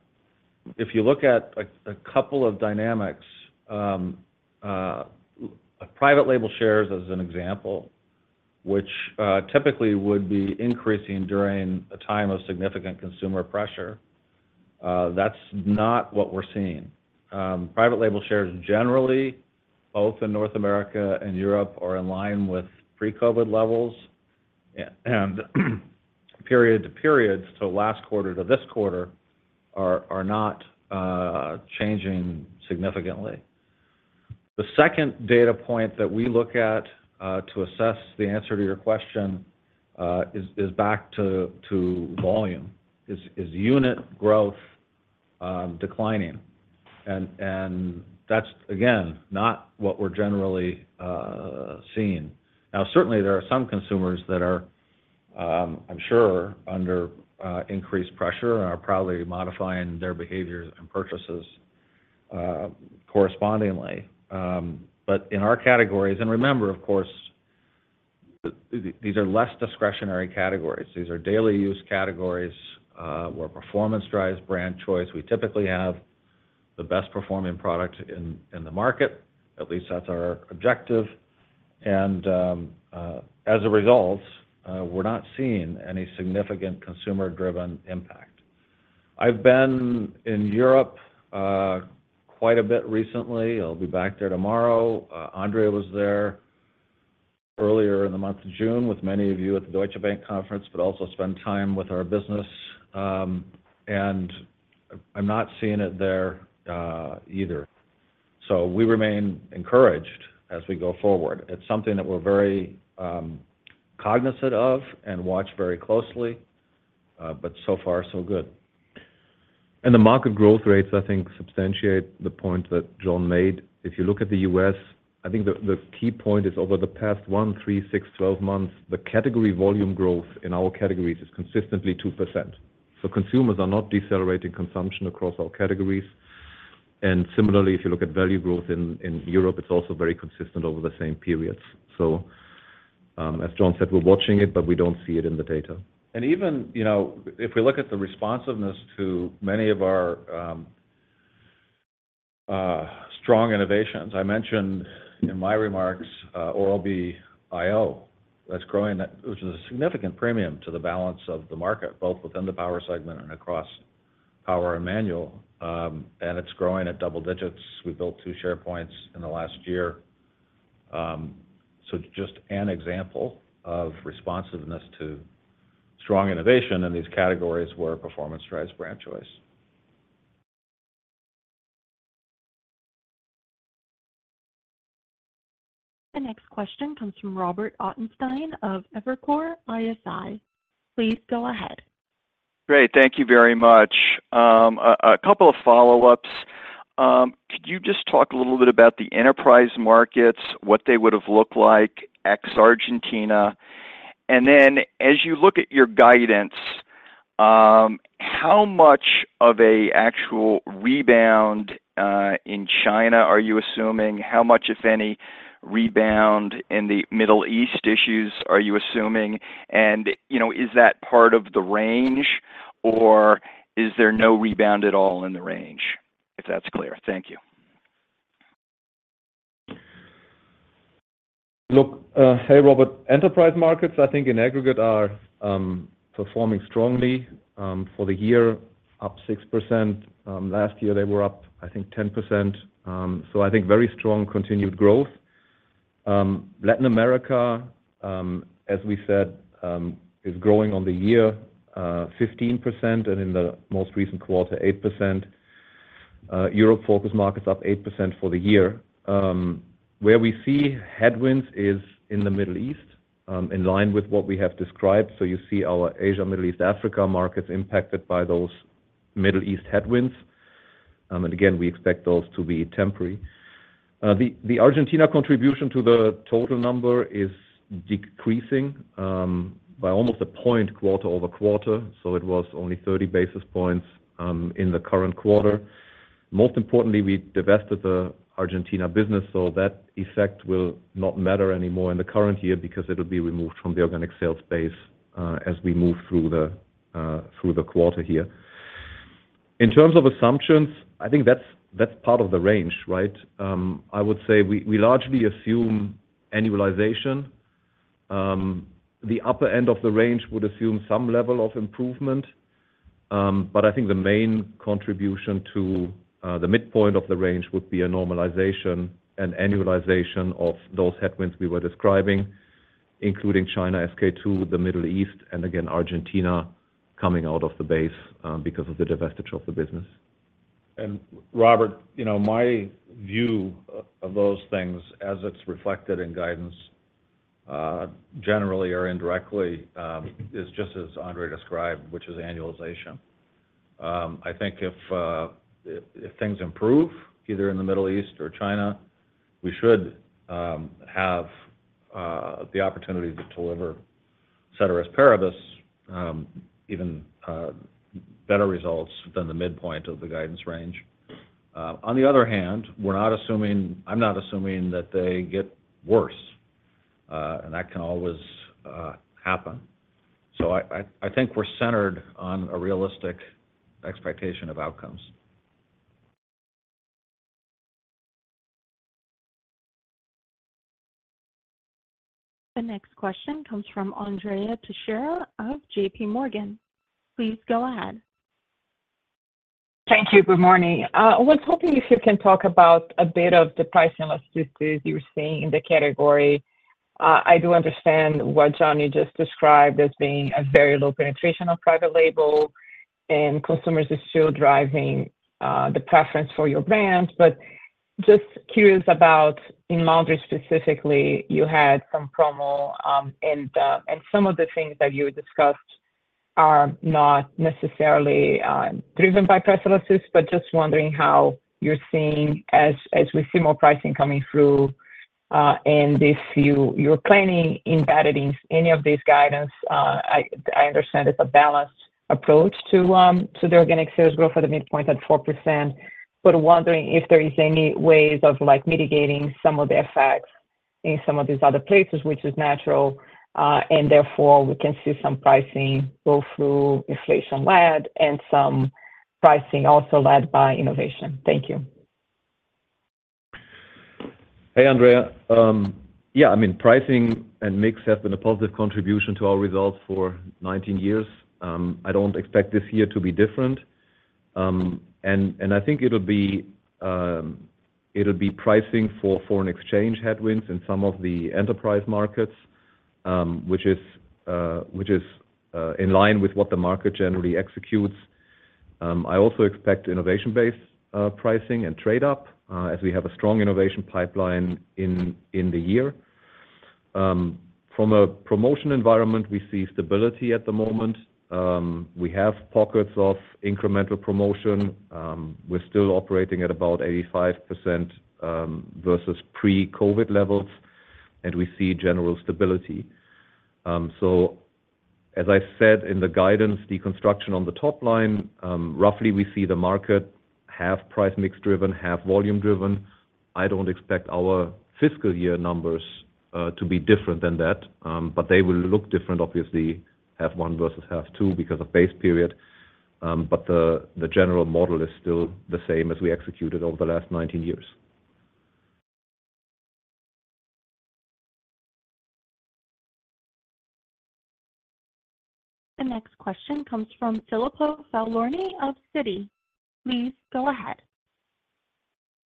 if you look at a couple of dynamics, private label shares as an example, which typically would be increasing during a time of significant consumer pressure, that's not what we're seeing. Private label shares generally, both in North America and Europe, are in line with pre-COVID levels, and period to period, so last quarter to this quarter, are not changing significantly. The second data point that we look at to assess the answer to your question is back to volume. Is unit growth declining? That's, again, not what we're generally seeing. Now, certainly, there are some consumers that are, I'm sure, under increased pressure and are probably modifying their behaviors and purchases correspondingly. But in our categories, and remember, of course, these are less discretionary categories. These are daily use categories where performance drives brand choice. We typically have the best performing product in the market. At least that's our objective. And as a result, we're not seeing any significant consumer-driven impact. I've been in Europe quite a bit recently. I'll be back there tomorrow. Andre was there earlier in the month of June with many of you at the Deutsche Bank conference, but also spent time with our business. And I'm not seeing it there either. So we remain encouraged as we go forward. It's something that we're very cognizant of and watch very closely, but so far, so good. And the market growth rates, I think, substantiate the point that Jon made. If you look at the U.S., I think the key point is over the past one, three, six, 12 months, the category volume growth in our categories is consistently 2%. So consumers are not decelerating consumption across our categories. And similarly, if you look at value growth in Europe, it's also very consistent over the same periods. So as Jon said, we're watching it, but we don't see it in the data. And even if we look at the responsiveness to many of our strong innovations, I mentioned in my remarks Oral-B iO that's growing, which is a significant premium to the balance of the market, both within the power segment and across power and manual. And it's growing at double digits. We built two share points in the last year. So just an example of responsiveness to strong innovation in these categories where performance drives brand choice. The next question comes from Robert Ottenstein of Evercore ISI. Please go ahead. Great. Thank you very much. A couple of follow-ups. Could you just talk a little bit about the enterprise markets, what they would have looked like, ex-Argentina? And then as you look at your guidance, how much of an actual rebound in China are you assuming? How much, if any, rebound in the Middle East issues are you assuming? And is that part of the range, or is there no rebound at all in the range, if that's clear? Thank you. Look, hey, Robert, enterprise markets, I think in aggregate, are performing strongly for the year, up 6%. Last year, they were up, I think, 10%. So I think very strong continued growth. Latin America, as we said, is growing on the year, 15%, and in the most recent quarter, 8%. Europe focus markets up 8% for the year. Where we see headwinds is in the Middle East, in line with what we have described. So you see our Asia, Middle East, Africa markets impacted by those Middle East headwinds. And again, we expect those to be temporary. The Argentina contribution to the total number is decreasing by almost a point quarter-over-quarter. So it was only 30 basis points in the current quarter. Most importantly, we divested the Argentina business, so that effect will not matter anymore in the current year because it will be removed from the organic sales base as we move through the quarter here. In terms of assumptions, I think that's part of the range, right? I would say we largely assume annualization. The upper end of the range would assume some level of improvement, but I think the main contribution to the midpoint of the range would be a normalization and annualization of those headwinds we were describing, including China, SK-II, the Middle East, and again, Argentina coming out of the base because of the divestiture of the business. Robert, my view of those things, as it's reflected in guidance, generally or indirectly, is just as Andre described, which is annualization. I think if things improve, either in the Middle East or China, we should have the opportunity to deliver ceteris paribus even better results than the midpoint of the guidance range. On the other hand, we're not assuming I'm not assuming that they get worse, and that can always happen. So I think we're centered on a realistic expectation of outcomes. The next question comes from Andrea Teixeira of JPMorgan. Please go ahead. Thank you. Good morning. I was hoping if you can talk about a bit of the price elasticity you're seeing in the category. I do understand what Jon just described as being a very low penetration of private label, and consumers are still driving the preference for your brand. But just curious about, in laundry specifically, you had some promo, and some of the things that you discussed are not necessarily driven by price elasticity, but just wondering how you're seeing as we see more pricing coming through in this. You're planning embedded in any of these guidance. I understand it's a balanced approach to the organic sales growth at the midpoint at 4%, but wondering if there are any ways of mitigating some of the effects in some of these other places, which is natural, and therefore we can see some pricing go through inflation-led and some pricing also led by innovation. Thank you. Hey, Andrea. Yeah, I mean, pricing and mix have been a positive contribution to our results for 19 years. I don't expect this year to be different. And I think it'll be pricing for foreign exchange headwinds in some of the enterprise markets, which is in line with what the market generally executes. I also expect innovation-based pricing and trade-up as we have a strong innovation pipeline in the year. From a promotion environment, we see stability at the moment. We have pockets of incremental promotion. We're still operating at about 85% versus pre-COVID levels, and we see general stability. So as I said in the guidance, deconstruction on the top line, roughly we see the market half price mix driven, half volume driven. I don't expect our fiscal year numbers to be different than that, but they will look different, obviously, half one versus half two because of base period. But the general model is still the same as we executed over the last 19 years. The next question comes from Filippo Falorni of Citi. Please go ahead.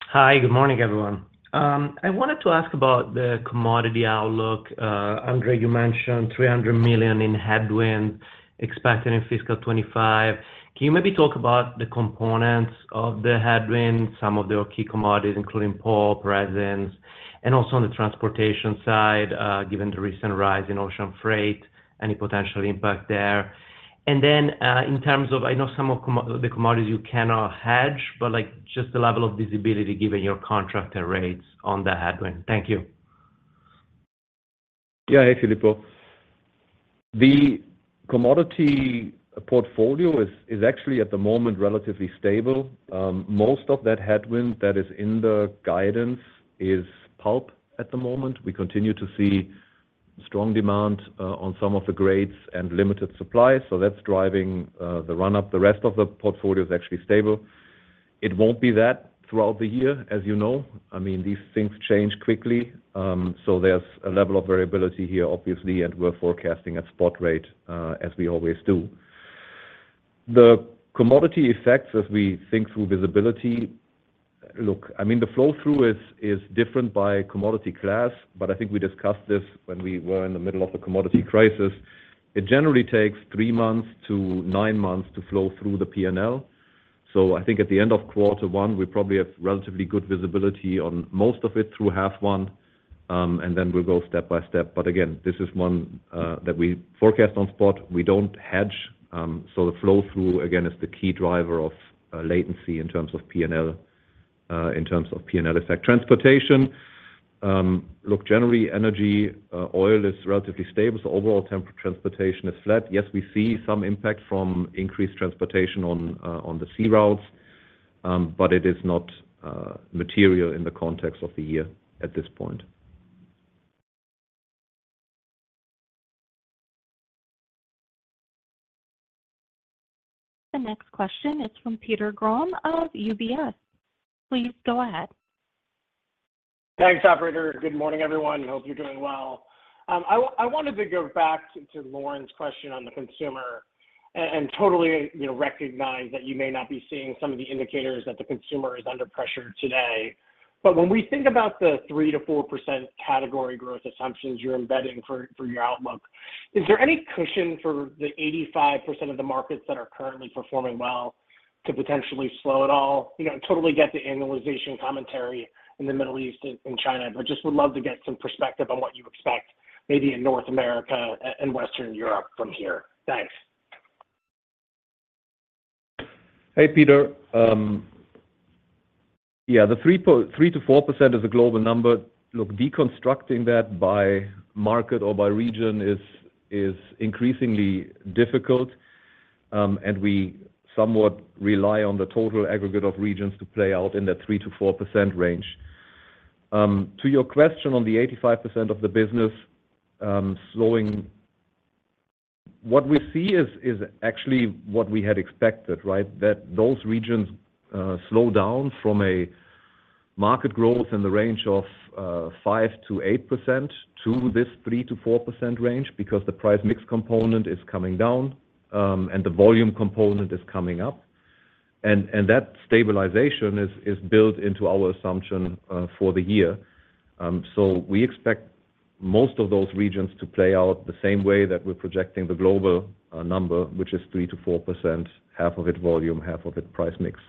Hi. Good morning, everyone. I wanted to ask about the commodity outlook. Andre, you mentioned $300 million in headwinds expected in fiscal 2025. Can you maybe talk about the components of the headwinds, some of the key commodities, including pulp, resins, and also on the transportation side, given the recent rise in ocean freight, any potential impact there? And then in terms of, I know some of the commodities you cannot hedge, but just the level of visibility given your contractor rates on that headwind. Thank you. Yeah. Hey, Filippo. The commodity portfolio is actually at the moment relatively stable. Most of that headwind that is in the guidance is pulp at the moment. We continue to see strong demand on some of the grades and limited supply. So that's driving the run-up. The rest of the portfolio is actually stable. It won't be that throughout the year, as you know. I mean, these things change quickly. So there's a level of variability here, obviously, and we're forecasting at spot rate, as we always do. The commodity effects, as we think through visibility, look, I mean, the flow-through is different by commodity class, but I think we discussed this when we were in the middle of the commodity crisis. It generally takes three months to nine months to flow through the P&L. So I think at the end of quarter one, we probably have relatively good visibility on most of it through half one, and then we'll go step by step. But again, this is one that we forecast on spot. We don't hedge. So the flow-through, again, is the key driver of latency in terms of P&L, in terms of P&L effect. Transportation, look, generally energy, oil is relatively stable. So overall, transportation is flat. Yes, we see some impact from increased transportation on the sea routes, but it is not material in the context of the year at this point. The next question is from Peter Grom of UBS. Please go ahead. Thanks, operator. Good morning, everyone. I hope you're doing well. I wanted to go back to Lauren's question on the consumer and totally recognize that you may not be seeing some of the indicators that the consumer is under pressure today. But when we think about the 3%-4% category growth assumptions you're embedding for your outlook, is there any cushion for the 85% of the markets that are currently performing well to potentially slow it all, totally get the annualization commentary in the Middle East and China, but just would love to get some perspective on what you expect maybe in North America and Western Europe from here. Thanks. Hey, Peter. Yeah, the 3%-4% is a global number. Look, deconstructing that by market or by region is increasingly difficult, and we somewhat rely on the total aggregate of regions to play out in that 3%-4% range. To your question on the 85% of the business slowing, what we see is actually what we had expected, right, that those regions slow down from a market growth in the range of 5%-8% to this 3%-4% range because the price mix component is coming down and the volume component is coming up. And that stabilization is built into our assumption for the year. So we expect most of those regions to play out the same way that we're projecting the global number, which is 3%-4%, half of it volume, half of it price mix.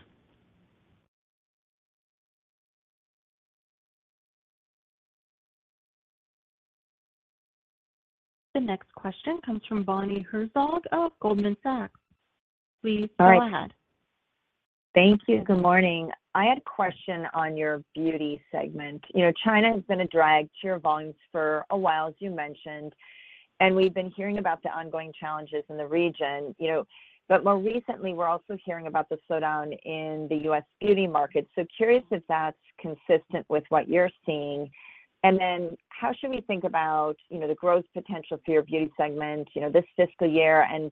The next question comes from Bonnie Herzog of Goldman Sachs. Please go ahead. Thank you. Good morning. I had a question on your beauty segment. China has been a drag to your volumes for a while, as you mentioned, and we've been hearing about the ongoing challenges in the region. But more recently, we're also hearing about the slowdown in the U.S. beauty market. So curious if that's consistent with what you're seeing. And then how should we think about the growth potential for your beauty segment this fiscal year? And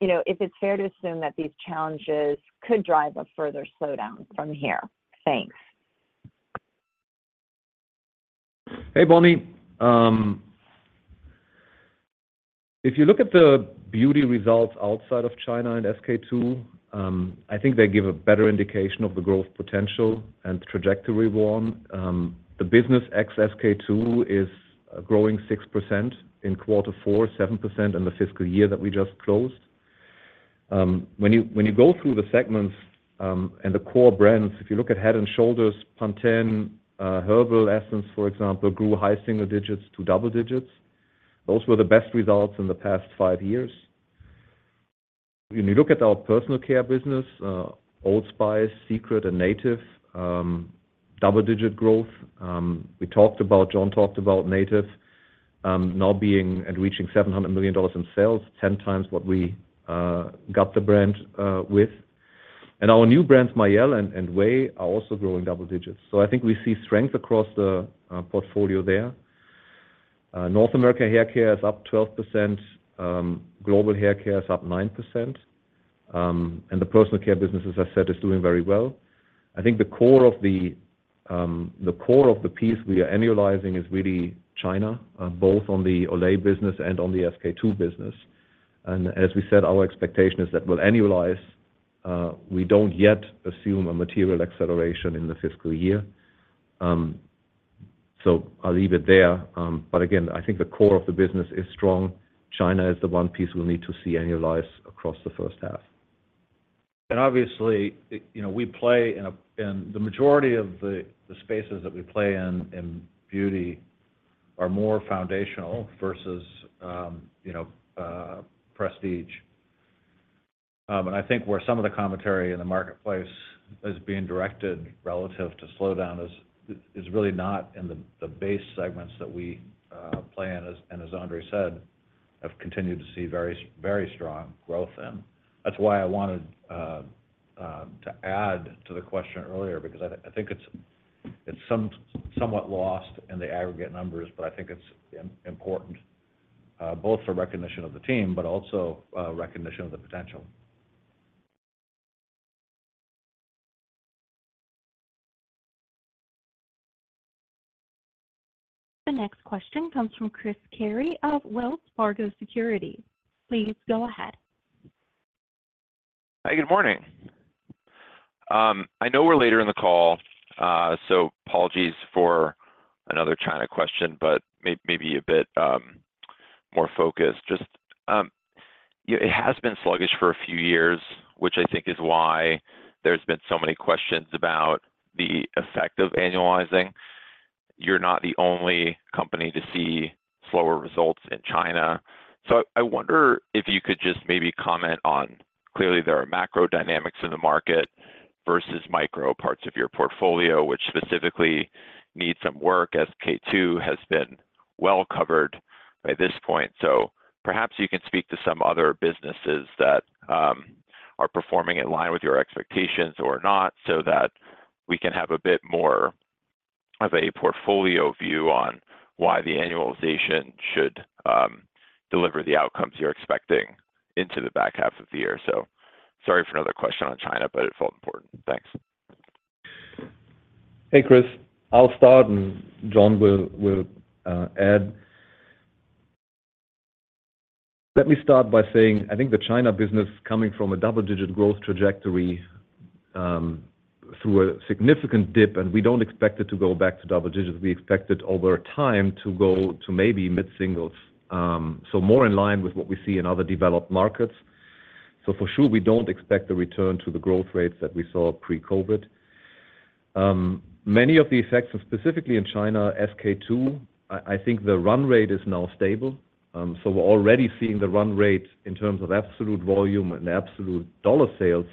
if it's fair to assume that these challenges could drive a further slowdown from here. Thanks. Hey, Bonnie. If you look at the beauty results outside of China and SK-II, I think they give a better indication of the growth potential and trajectory warm. The business ex-SK-II is growing 6% in quarter four, 7% in the fiscal year that we just closed. When you go through the segments and the core brands, if you look at Head & Shoulders, Pantene, Herbal Essences, for example, grew high single digits to double digits. Those were the best results in the past five years. When you look at our personal care business, Old Spice, Secret, and Native, double-digit growth. We talked about, Jon talked about Native now being and reaching $700 million in sales, 10 times what we got the brand with. And our new brands, Mielle and Ouai, are also growing double digits. So I think we see strength across the portfolio there. North America haircare is up 12%. Global haircare is up 9%. And the personal care business, as I said, is doing very well. I think the core of the piece we are annualizing is really China, both on the Olay business and on the SK-II business. And as we said, our expectation is that we'll annualize. We don't yet assume a material acceleration in the fiscal year. So I'll leave it there. But again, I think the core of the business is strong. China is the one piece we'll need to see annualize across the first half. And obviously, we play in the majority of the spaces that we play in beauty, are more foundational versus prestige. And I think where some of the commentary in the marketplace is being directed relative to slowdown is really not in the base segments that we play in, and as Andre said, have continued to see very strong growth in. That's why I wanted to add to the question earlier because I think it's somewhat lost in the aggregate numbers, but I think it's important both for recognition of the team, but also recognition of the potential. The next question comes from Chris Carey of Wells Fargo Securities. Please go ahead. Hi. Good morning. I know we're later in the call, so apologies for another China question, but maybe a bit more focused. Just it has been sluggish for a few years, which I think is why there's been so many questions about the effect of annualizing. You're not the only company to see slower results in China. So I wonder if you could just maybe comment on, clearly, there are macro dynamics in the market versus micro parts of your portfolio, which specifically need some work as SK-II has been well covered by this point. So perhaps you can speak to some other businesses that are performing in line with your expectations or not so that we can have a bit more of a portfolio view on why the annualization should deliver the outcomes you're expecting into the back half of the year. So, sorry for another question on China, but it felt important. Thanks. Hey, Chris. I'll start, and Jon will add. Let me start by saying I think the China business coming from a double-digit growth trajectory through a significant dip, and we don't expect it to go back to double digits. We expect it over time to go to maybe mid-singles, so more in line with what we see in other developed markets. So for sure, we don't expect the return to the growth rates that we saw pre-COVID. Many of the effects, and specifically in China, SK-II, I think the run rate is now stable. So we're already seeing the run rate in terms of absolute volume and absolute dollar sales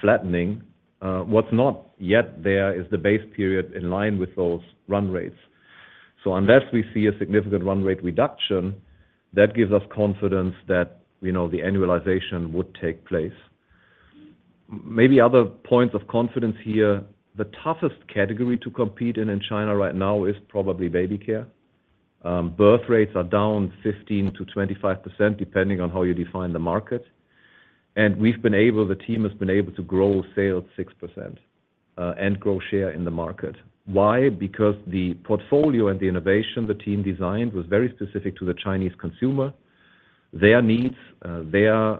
flattening. What's not yet there is the base period in line with those run rates. So unless we see a significant run rate reduction, that gives us confidence that the annualization would take place. Maybe other points of confidence here. The toughest category to compete in in China right now is probably baby care. Birth rates are down 15%-25%, depending on how you define the market. We've been able, the team has been able to grow sales 6% and grow share in the market. Why? Because the portfolio and the innovation the team designed was very specific to the Chinese consumer, their needs, their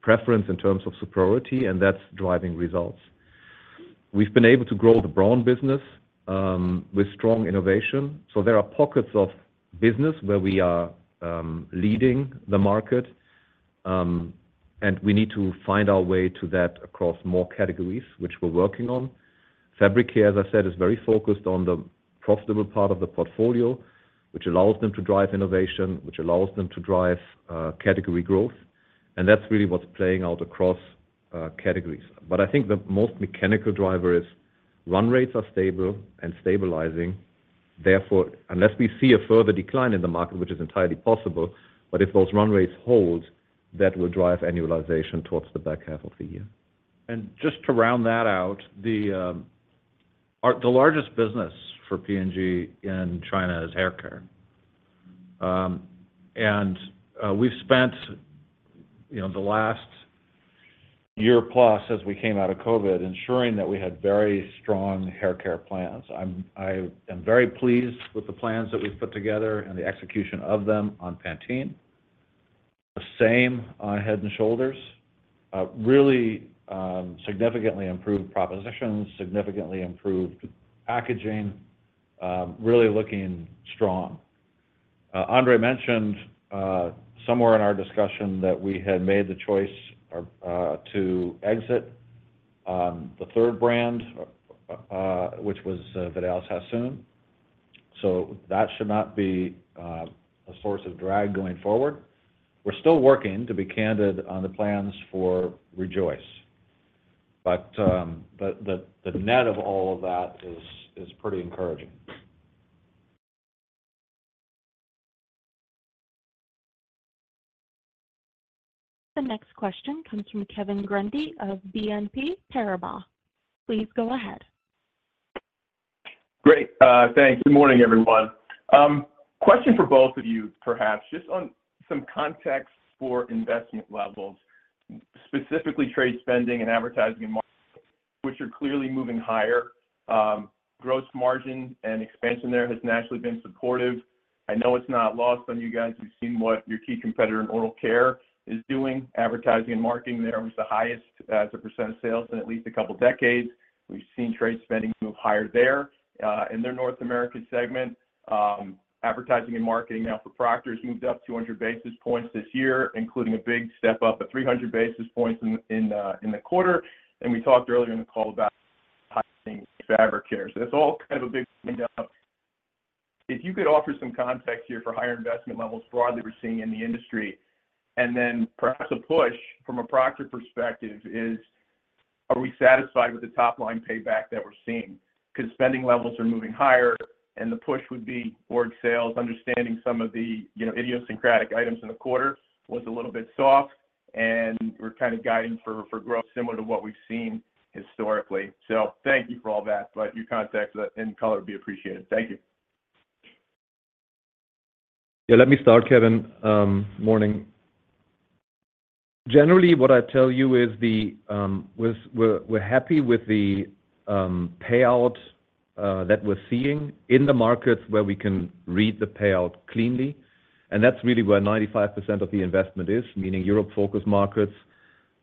preference in terms of superiority, and that's driving results. We've been able to grow the Braun business with strong innovation. So there are pockets of business where we are leading the market, and we need to find our way to that across more categories, which we're working on. Fabric Mare, as I said, is very focused on the profitable part of the portfolio, which allows them to drive innovation, which allows them to drive category growth. And that's really what's playing out across categories. But I think the most mechanical driver is run rates are stable and stabilizing. Therefore, unless we see a further decline in the market, which is entirely possible, but if those run rates hold, that will drive annualization towards the back half of the year. And just to round that out, the largest business for P&G in China is haircare. And we've spent the last year plus as we came out of COVID ensuring that we had very strong haircare plans. I am very pleased with the plans that we've put together and the execution of them on Pantene. The same on Head & Shoulders. Really significantly improved propositions, significantly improved packaging, really looking strong. Andre mentioned somewhere in our discussion that we had made the choice to exit the third brand, which was Vidal Sassoon. So that should not be a source of drag going forward. We're still working, to be candid, on the plans for Rejoice. But the net of all of that is pretty encouraging. The next question comes from Kevin Grundy of BNP Paribas. Please go ahead. Great. Thanks. Good morning, everyone. Question for both of you, perhaps, just on some context for investment levels, specifically trade spending and advertising and marketing, which are clearly moving higher. Gross margin and expansion there has naturally been supportive. I know it's not lost on you guys. We've seen what your key competitor in oral care is doing. Advertising and marketing there was the highest as a percent of sales in at least a couple of decades. We've seen trade spending move higher there in their North America segment. Advertising and marketing now for Procter has moved up 200 basis points this year, including a big step up of 300 basis points in the quarter. And we talked earlier in the call about high spending in fabric care. So that's all kind of a big thing to up. If you could offer some context here for higher investment levels broadly we're seeing in the industry, and then perhaps a push from a Procter perspective is, are we satisfied with the top-line payback that we're seeing? Because spending levels are moving higher, and the push would be org sales, understanding some of the idiosyncratic items in the quarter was a little bit soft, and we're kind of guiding for growth similar to what we've seen historically. So thank you for all that, but your context and color would be appreciated. Thank you. Yeah. Let me start, Kevin. Morning. Generally, what I tell you is we're happy with the payout that we're seeing in the markets where we can read the payout cleanly. And that's really where 95% of the investment is, meaning Europe-focused markets,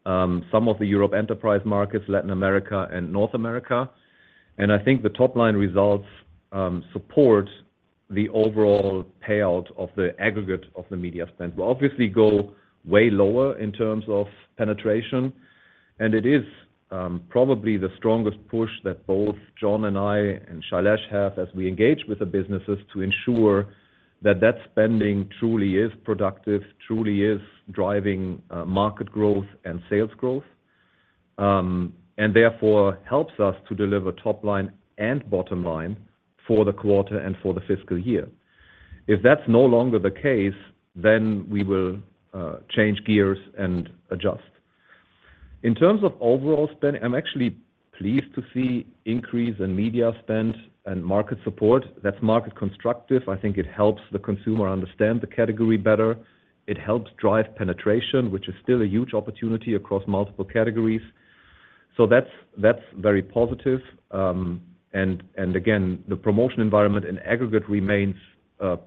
some of the Europe enterprise markets, Latin America, and North America. And I think the top-line results support the overall payout of the aggregate of the media spend. We'll obviously go way lower in terms of penetration, and it is probably the strongest push that both Jon and I and Shailesh have as we engage with the businesses to ensure that that spending truly is productive, truly is driving market growth and sales growth, and therefore helps us to deliver top-line and bottom-line for the quarter and for the fiscal year. If that's no longer the case, then we will change gears and adjust. In terms of overall spend, I'm actually pleased to see increase in media spend and market support. That's market constructive. I think it helps the consumer understand the category better. It helps drive penetration, which is still a huge opportunity across multiple categories. So that's very positive. And again, the promotion environment in aggregate remains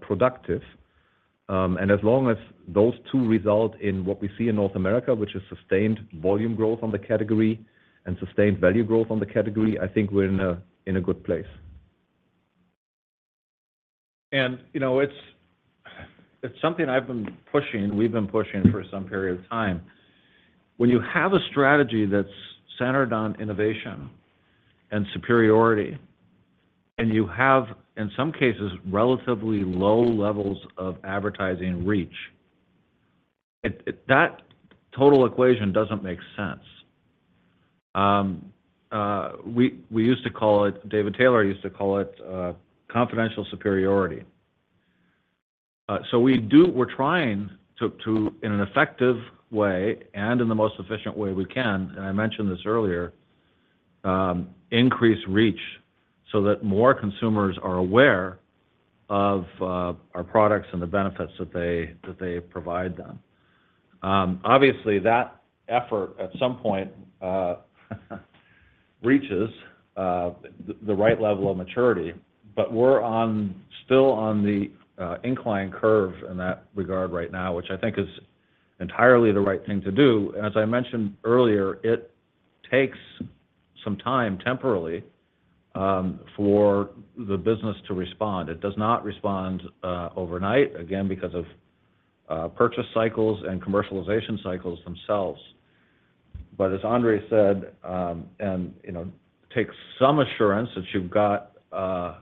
productive. As long as those two result in what we see in North America, which is sustained volume growth on the category and sustained value growth on the category, I think we're in a good place. It's something I've been pushing, we've been pushing for some period of time. When you have a strategy that's centered on innovation and superiority, and you have, in some cases, relatively low levels of advertising reach, that total equation doesn't make sense. We used to call it, David Taylor used to call it confidential superiority. We're trying to, in an effective way and in the most efficient way we can, and I mentioned this earlier, increase reach so that more consumers are aware of our products and the benefits that they provide them. Obviously, that effort at some point reaches the right level of maturity, but we're still on the incline curve in that regard right now, which I think is entirely the right thing to do. As I mentioned earlier, it takes some time temporally for the business to respond. It does not respond overnight, again, because of purchase cycles and commercialization cycles themselves. But as Andre said, and take some assurance that you've got a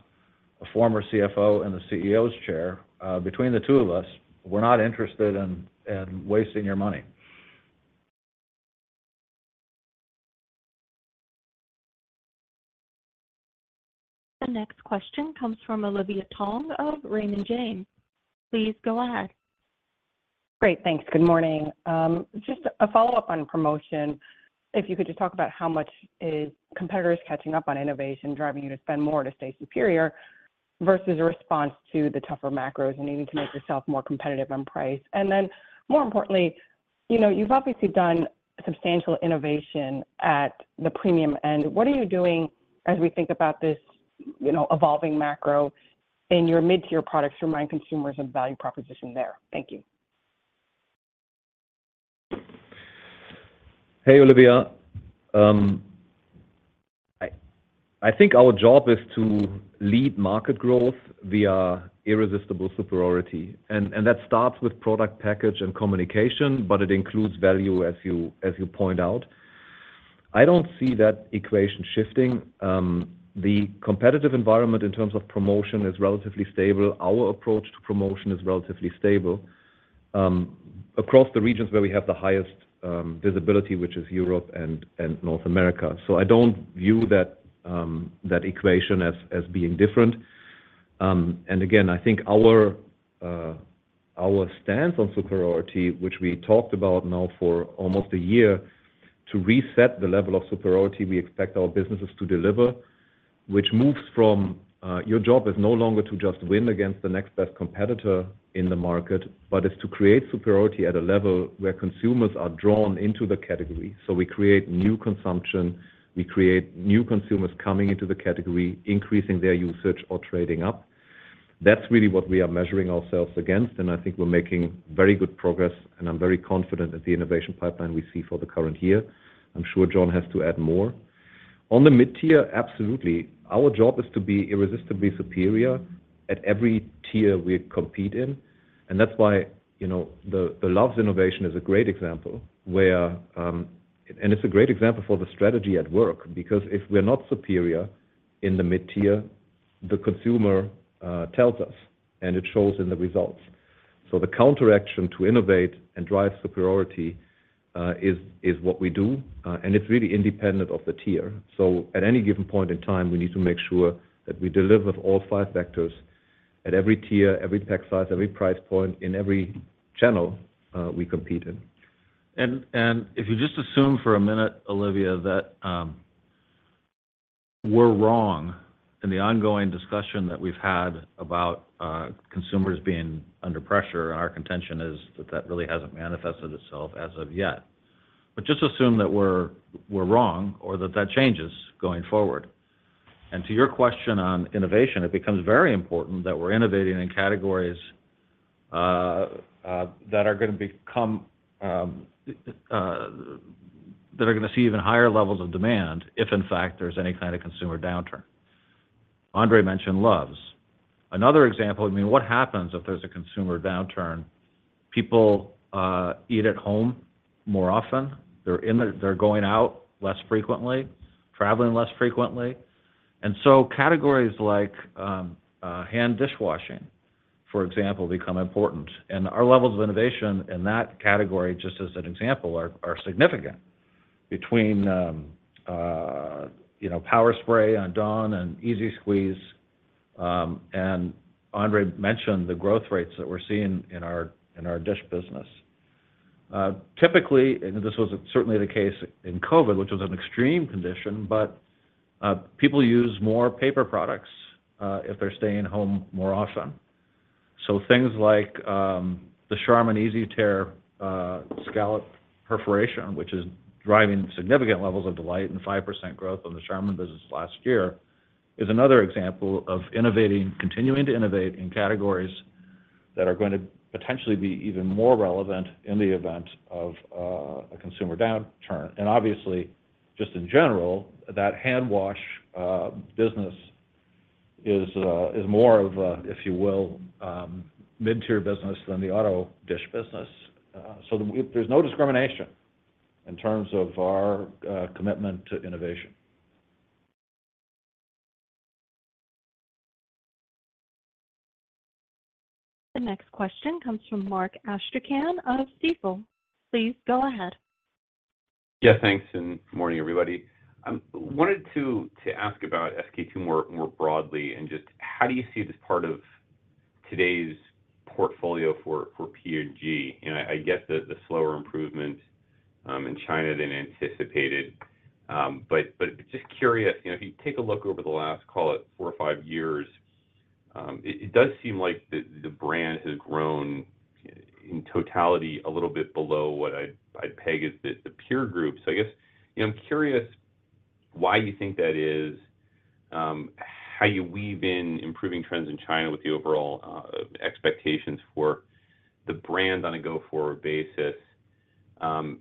former CFO in the CEO's chair. Between the two of us, we're not interested in wasting your money. The next question comes from Olivia Tong of Raymond James. Please go ahead. Great. Thanks. Good morning. Just a follow-up on promotion. If you could just talk about how much is competitors catching up on innovation, driving you to spend more to stay superior versus a response to the tougher macros and needing to make yourself more competitive on price? And then, more importantly, you've obviously done substantial innovation at the premium end. What are you doing as we think about this evolving macro in your mid-tier products to remind consumers of the value proposition there? Thank you. Hey, Olivia. I think our job is to lead market growth via irresistible superiority. And that starts with product package and communication, but it includes value, as you point out. I don't see that equation shifting. The competitive environment in terms of promotion is relatively stable. Our approach to promotion is relatively stable across the regions where we have the highest visibility, which is Europe and North America. So I don't view that equation as being different. And again, I think our stance on superiority, which we talked about now for almost a year, to reset the level of superiority we expect our businesses to deliver, which moves from your job is no longer to just win against the next best competitor in the market, but is to create superiority at a level where consumers are drawn into the category. So we create new consumption. We create new consumers coming into the category, increasing their usage or trading up. That's really what we are measuring ourselves against, and I think we're making very good progress, and I'm very confident in the innovation pipeline we see for the current year. I'm sure Jon has to add more. On the mid-tier, absolutely. Our job is to be irresistibly superior at every tier we compete in. That's why the love of innovation is a great example, and it's a great example for the strategy at work because if we're not superior in the mid-tier, the consumer tells us, and it shows in the results. The counteraction to innovate and drive superiority is what we do, and it's really independent of the tier. At any given point in time, we need to make sure that we deliver all five vectors at every tier, every pack size, every price point, in every channel we compete in. If you just assume for a minute, Olivia, that we're wrong in the ongoing discussion that we've had about consumers being under pressure, and our contention is that that really hasn't manifested itself as of yet. Just assume that we're wrong or that that changes going forward. And to your question on innovation, it becomes very important that we're innovating in categories that are going to see even higher levels of demand if, in fact, there's any kind of consumer downturn. Andre mentioned Luvs. Another example, I mean, what happens if there's a consumer downturn? People eat at home more often. They're going out less frequently, traveling less frequently. And so categories like hand dishwashing, for example, become important. And our levels of innovation in that category, just as an example, are significant between Powerwash on Dawn and Ez-Squeeze. And Andre mentioned the growth rates that we're seeing in our dish business. Typically, and this was certainly the case in COVID, which was an extreme condition, but people use more paper products if they're staying home more often. So things like the Charmin Easy Tear Scallop Perforation, which is driving significant levels of delight and 5% growth on the Charmin business last year, is another example of innovating, continuing to innovate in categories that are going to potentially be even more relevant in the event of a consumer downturn. And obviously, just in general, that hand wash business is more of a, if you will, mid-tier business than the auto dish business. So there's no discrimination in terms of our commitment to innovation. The next question comes from Mark Astrachan of Stifel. Please go ahead. Yeah. Thanks. And morning, everybody. I wanted to ask about SK-II more broadly and just how do you see this part of today's portfolio for P&G? I guess the slower improvement in China than anticipated. But just curious, if you take a look over the last, call it, four or five years, it does seem like the brand has grown in totality a little bit below what I'd peg as the peer group. So I guess I'm curious why you think that is, how you weave in improving trends in China with the overall expectations for the brand on a go-forward basis. And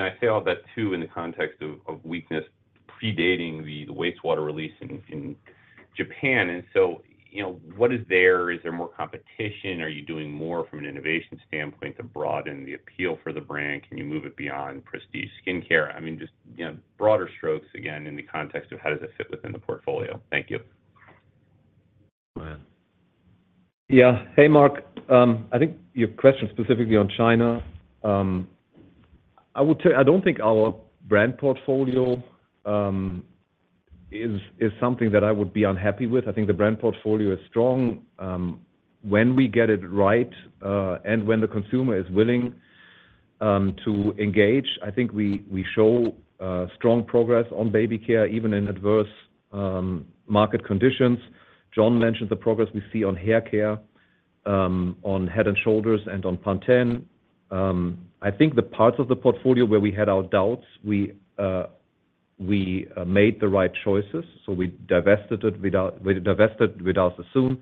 I say all that too in the context of weakness predating the wastewater release in Japan. And so what is there? Is there more competition? Are you doing more from an innovation standpoint to broaden the appeal for the brand? Can you move it beyond prestige skincare? I mean, just broader strokes, again, in the context of how does it fit within the portfolio. Thank you. Yeah. Hey, Mark. I think your question specifically on China, I would say I don't think our brand portfolio is something that I would be unhappy with. I think the brand portfolio is strong. When we get it right and when the consumer is willing to engage, I think we show strong progress on baby care even in adverse market conditions. Jon mentioned the progress we see on hair care, on Head & Shoulders, and on Pantene. I think the parts of the portfolio where we had our doubts, we made the right choices. So we divested without assuming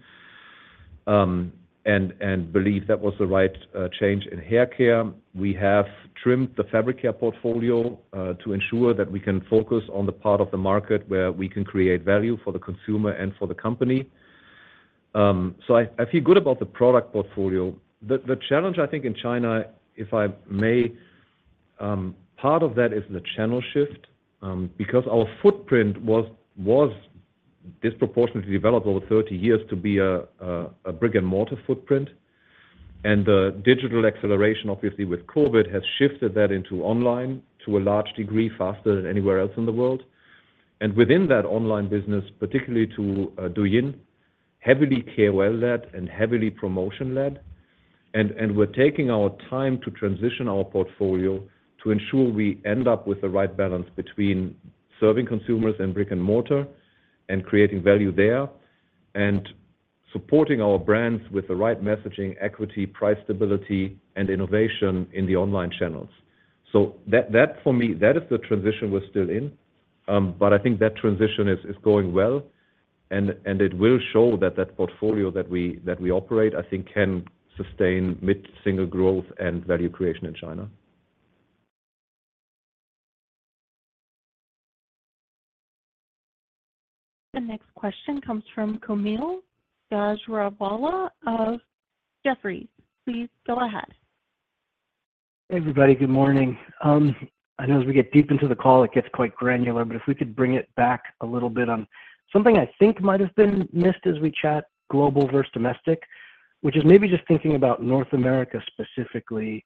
and believed that was the right change in hair care. We have trimmed the fabric care portfolio to ensure that we can focus on the part of the market where we can create value for the consumer and for the company. So I feel good about the product portfolio. The challenge, I think, in China, if I may, part of that is the channel shift because our footprint was disproportionately developed over 30 years to be a brick-and-mortar footprint. The digital acceleration, obviously, with COVID has shifted that into online to a large degree faster than anywhere else in the world. Within that online business, particularly to Douyin, heavily e-commerce-led and heavily promotion-led. We're taking our time to transition our portfolio to ensure we end up with the right balance between serving consumers and brick-and-mortar and creating value there and supporting our brands with the right messaging, equity, price stability, and innovation in the online channels. So for me, that is the transition we're still in. But I think that transition is going well, and it will show that that portfolio that we operate, I think, can sustain mid-single growth and value creation in China. The next question comes from Kaumil Gajrawala of Jefferies. Please go ahead. Hey, everybody. Good morning. I know as we get deep into the call, it gets quite granular, but if we could bring it back a little bit on something I think might have been missed as we chat, global versus domestic, which is maybe just thinking about North America specifically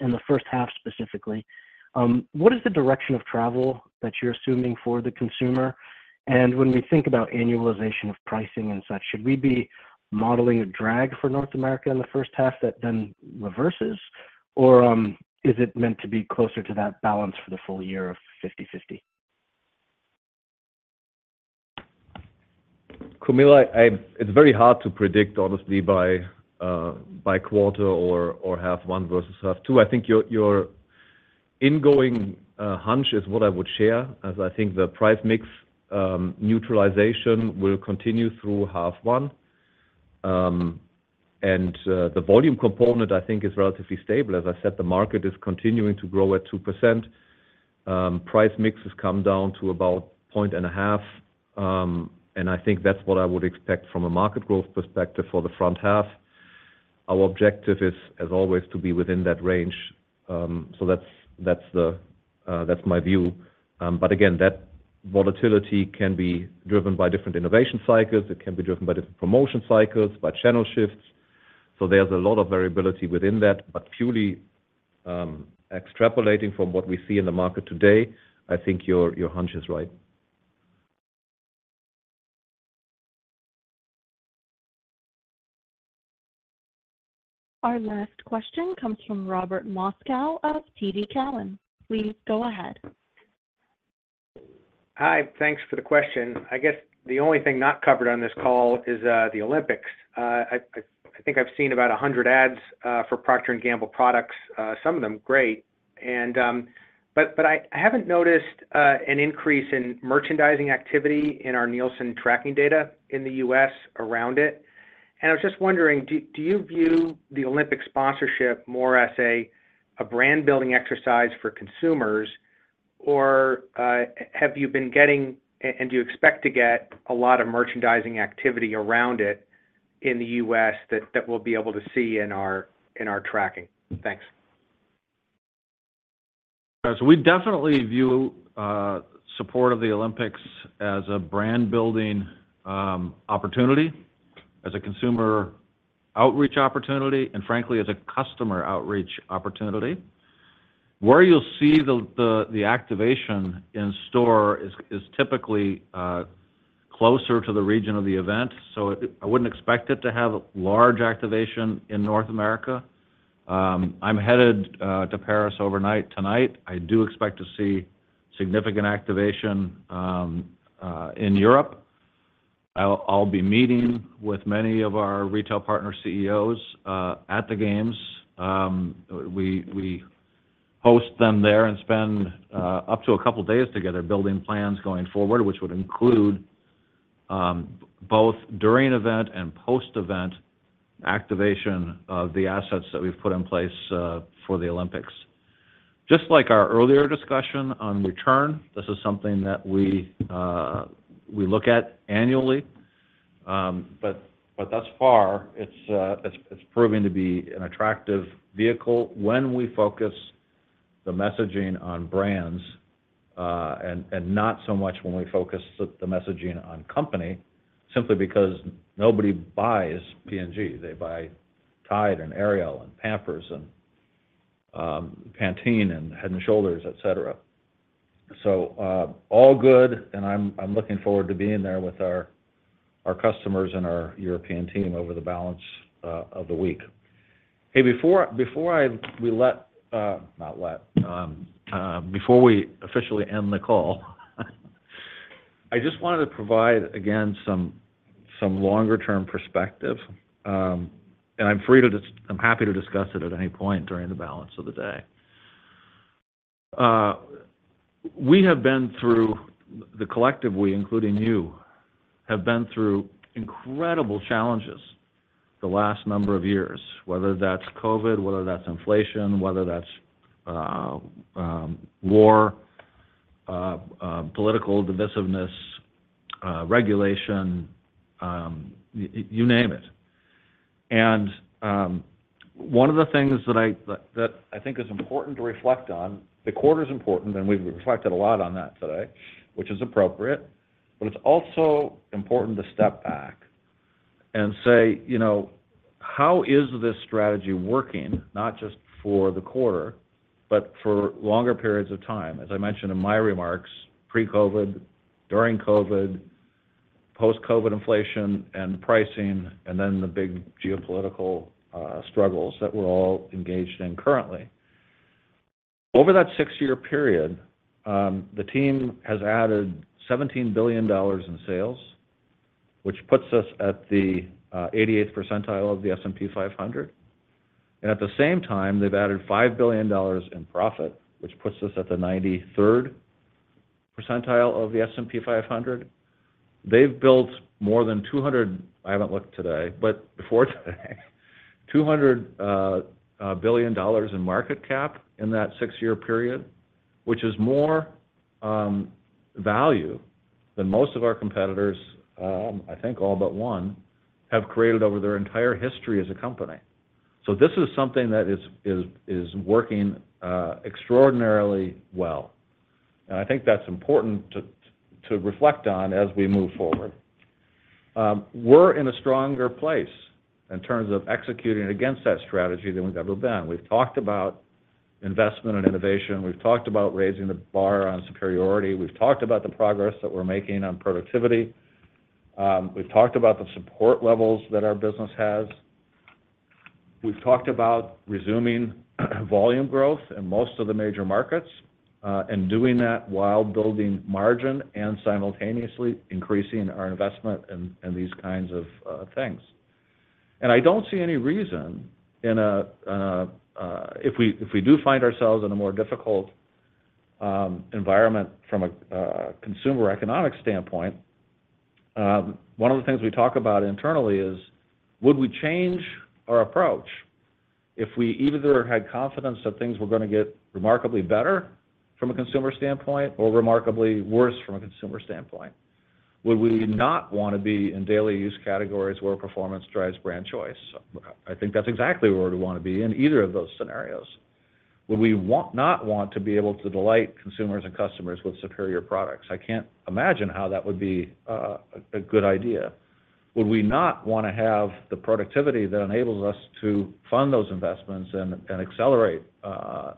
and the first half specifically. What is the direction of travel that you're assuming for the consumer? And when we think about annualization of pricing and such, should we be modeling a drag for North America in the first half that then reverses, or is it meant to be closer to that balance for the full year of 50/50? Kaumil, it's very hard to predict, honestly, by quarter or half one versus half two. I think your incoming hunch is what I would share, as I think the price mix neutralization will continue through half one. The volume component, I think, is relatively stable. As I said, the market is continuing to grow at 2%. Price mixes come down to about 1.5%. I think that's what I would expect from a market growth perspective for the front half. Our objective is, as always, to be within that range. So that's my view. But again, that volatility can be driven by different innovation cycles. It can be driven by different promotion cycles, by channel shifts. So there's a lot of variability within that. But purely extrapolating from what we see in the market today, I think your hunch is right. Our last question comes from Robert Moskow of TD Cowen. Please go ahead. Hi. Thanks for the question. I guess the only thing not covered on this call is the Olympics. I think I've seen about 100 ads for Procter & Gamble products, some of them great. But I haven't noticed an increase in merchandising activity in our Nielsen tracking data in the U.S. around it. And I was just wondering, do you view the Olympic sponsorship more as a brand-building exercise for consumers, or have you been getting, and do you expect to get, a lot of merchandising activity around it in the U.S. that we'll be able to see in our tracking? Thanks. So we definitely view support of the Olympics as a brand-building opportunity, as a consumer outreach opportunity, and frankly, as a customer outreach opportunity. Where you'll see the activation in store is typically closer to the region of the event. So I wouldn't expect it to have large activation in North America. I'm headed to Paris overnight tonight. I do expect to see significant activation in Europe. I'll be meeting with many of our retail partner CEOs at the games. We host them there and spend up to a couple of days together building plans going forward, which would include both during event and post-event activation of the assets that we've put in place for the Olympics. Just like our earlier discussion on return, this is something that we look at annually. But thus far, it's proving to be an attractive vehicle when we focus the messaging on brands and not so much when we focus the messaging on company, simply because nobody buys P&G. They buy Tide and Ariel and Pampers and Pantene and Head and Shoulders, etc. So all good, and I'm looking forward to being there with our customers and our European team over the balance of the week. Hey, before we officially end the call, I just wanted to provide, again, some longer-term perspective. I'm happy to discuss it at any point during the balance of the day. We have been through the collective, we, including you, have been through incredible challenges the last number of years, whether that's COVID, whether that's inflation, whether that's war, political divisiveness, regulation, you name it. One of the things that I think is important to reflect on, the quarter is important, and we've reflected a lot on that today, which is appropriate, but it's also important to step back and say, "How is this strategy working, not just for the quarter, but for longer periods of time?" As I mentioned in my remarks, pre-COVID, during COVID, post-COVID inflation and pricing, and then the big geopolitical struggles that we're all engaged in currently. Over that six-year period, the team has added $17 billion in sales, which puts us at the 88th percentile of the S&P 500. At the same time, they've added $5 billion in profit, which puts us at the 93rd percentile of the S&P 500. They've built more than 200 - I haven't looked today, but before today - $200 billion in market cap in that six-year period, which is more value than most of our competitors, I think all but one, have created over their entire history as a company. This is something that is working extraordinarily well. I think that's important to reflect on as we move forward. We're in a stronger place in terms of executing against that strategy than we've ever been. We've talked about investment and innovation. We've talked about raising the bar on superiority. We've talked about the progress that we're making on productivity. We've talked about the support levels that our business has. We've talked about resuming volume growth in most of the major markets and doing that while building margin and simultaneously increasing our investment in these kinds of things. I don't see any reason if we do find ourselves in a more difficult environment from a consumer economic standpoint. One of the things we talk about internally is, would we change our approach if we either had confidence that things were going to get remarkably better from a consumer standpoint or remarkably worse from a consumer standpoint? Would we not want to be in daily use categories where performance drives brand choice? I think that's exactly where we want to be in either of those scenarios. Would we not want to be able to delight consumers and customers with superior products? I can't imagine how that would be a good idea. Would we not want to have the productivity that enables us to fund those investments and accelerate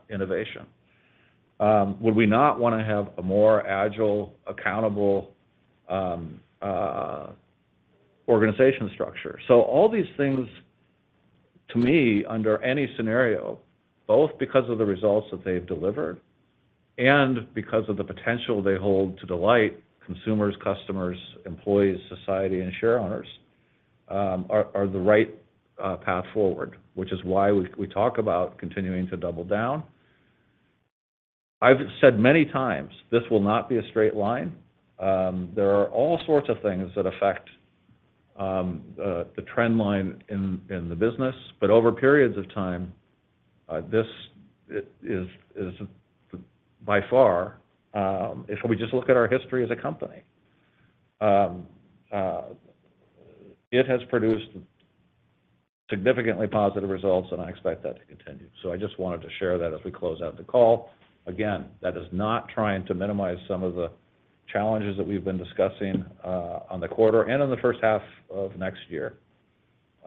innovation? Would we not want to have a more agile, accountable organization structure? So all these things, to me, under any scenario, both because of the results that they've delivered and because of the potential they hold to delight consumers, customers, employees, society, and shareholders, are the right path forward, which is why we talk about continuing to double down. I've said many times, this will not be a straight line. There are all sorts of things that affect the trend line in the business. But over periods of time, this is by far, if we just look at our history as a company, it has produced significantly positive results, and I expect that to continue. I just wanted to share that as we close out the call. Again, that is not trying to minimize some of the challenges that we've been discussing on the quarter and in the first half of next year.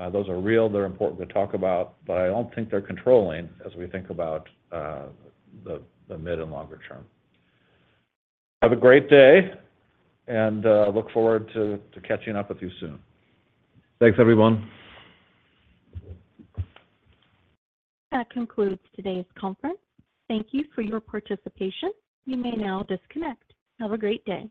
Those are real. They're important to talk about, but I don't think they're controlling as we think about the mid and longer term. Have a great day and look forward to catching up with you soon. Thanks, everyone. That concludes today's conference. Thank you for your participation. You may now disconnect. Have a great day.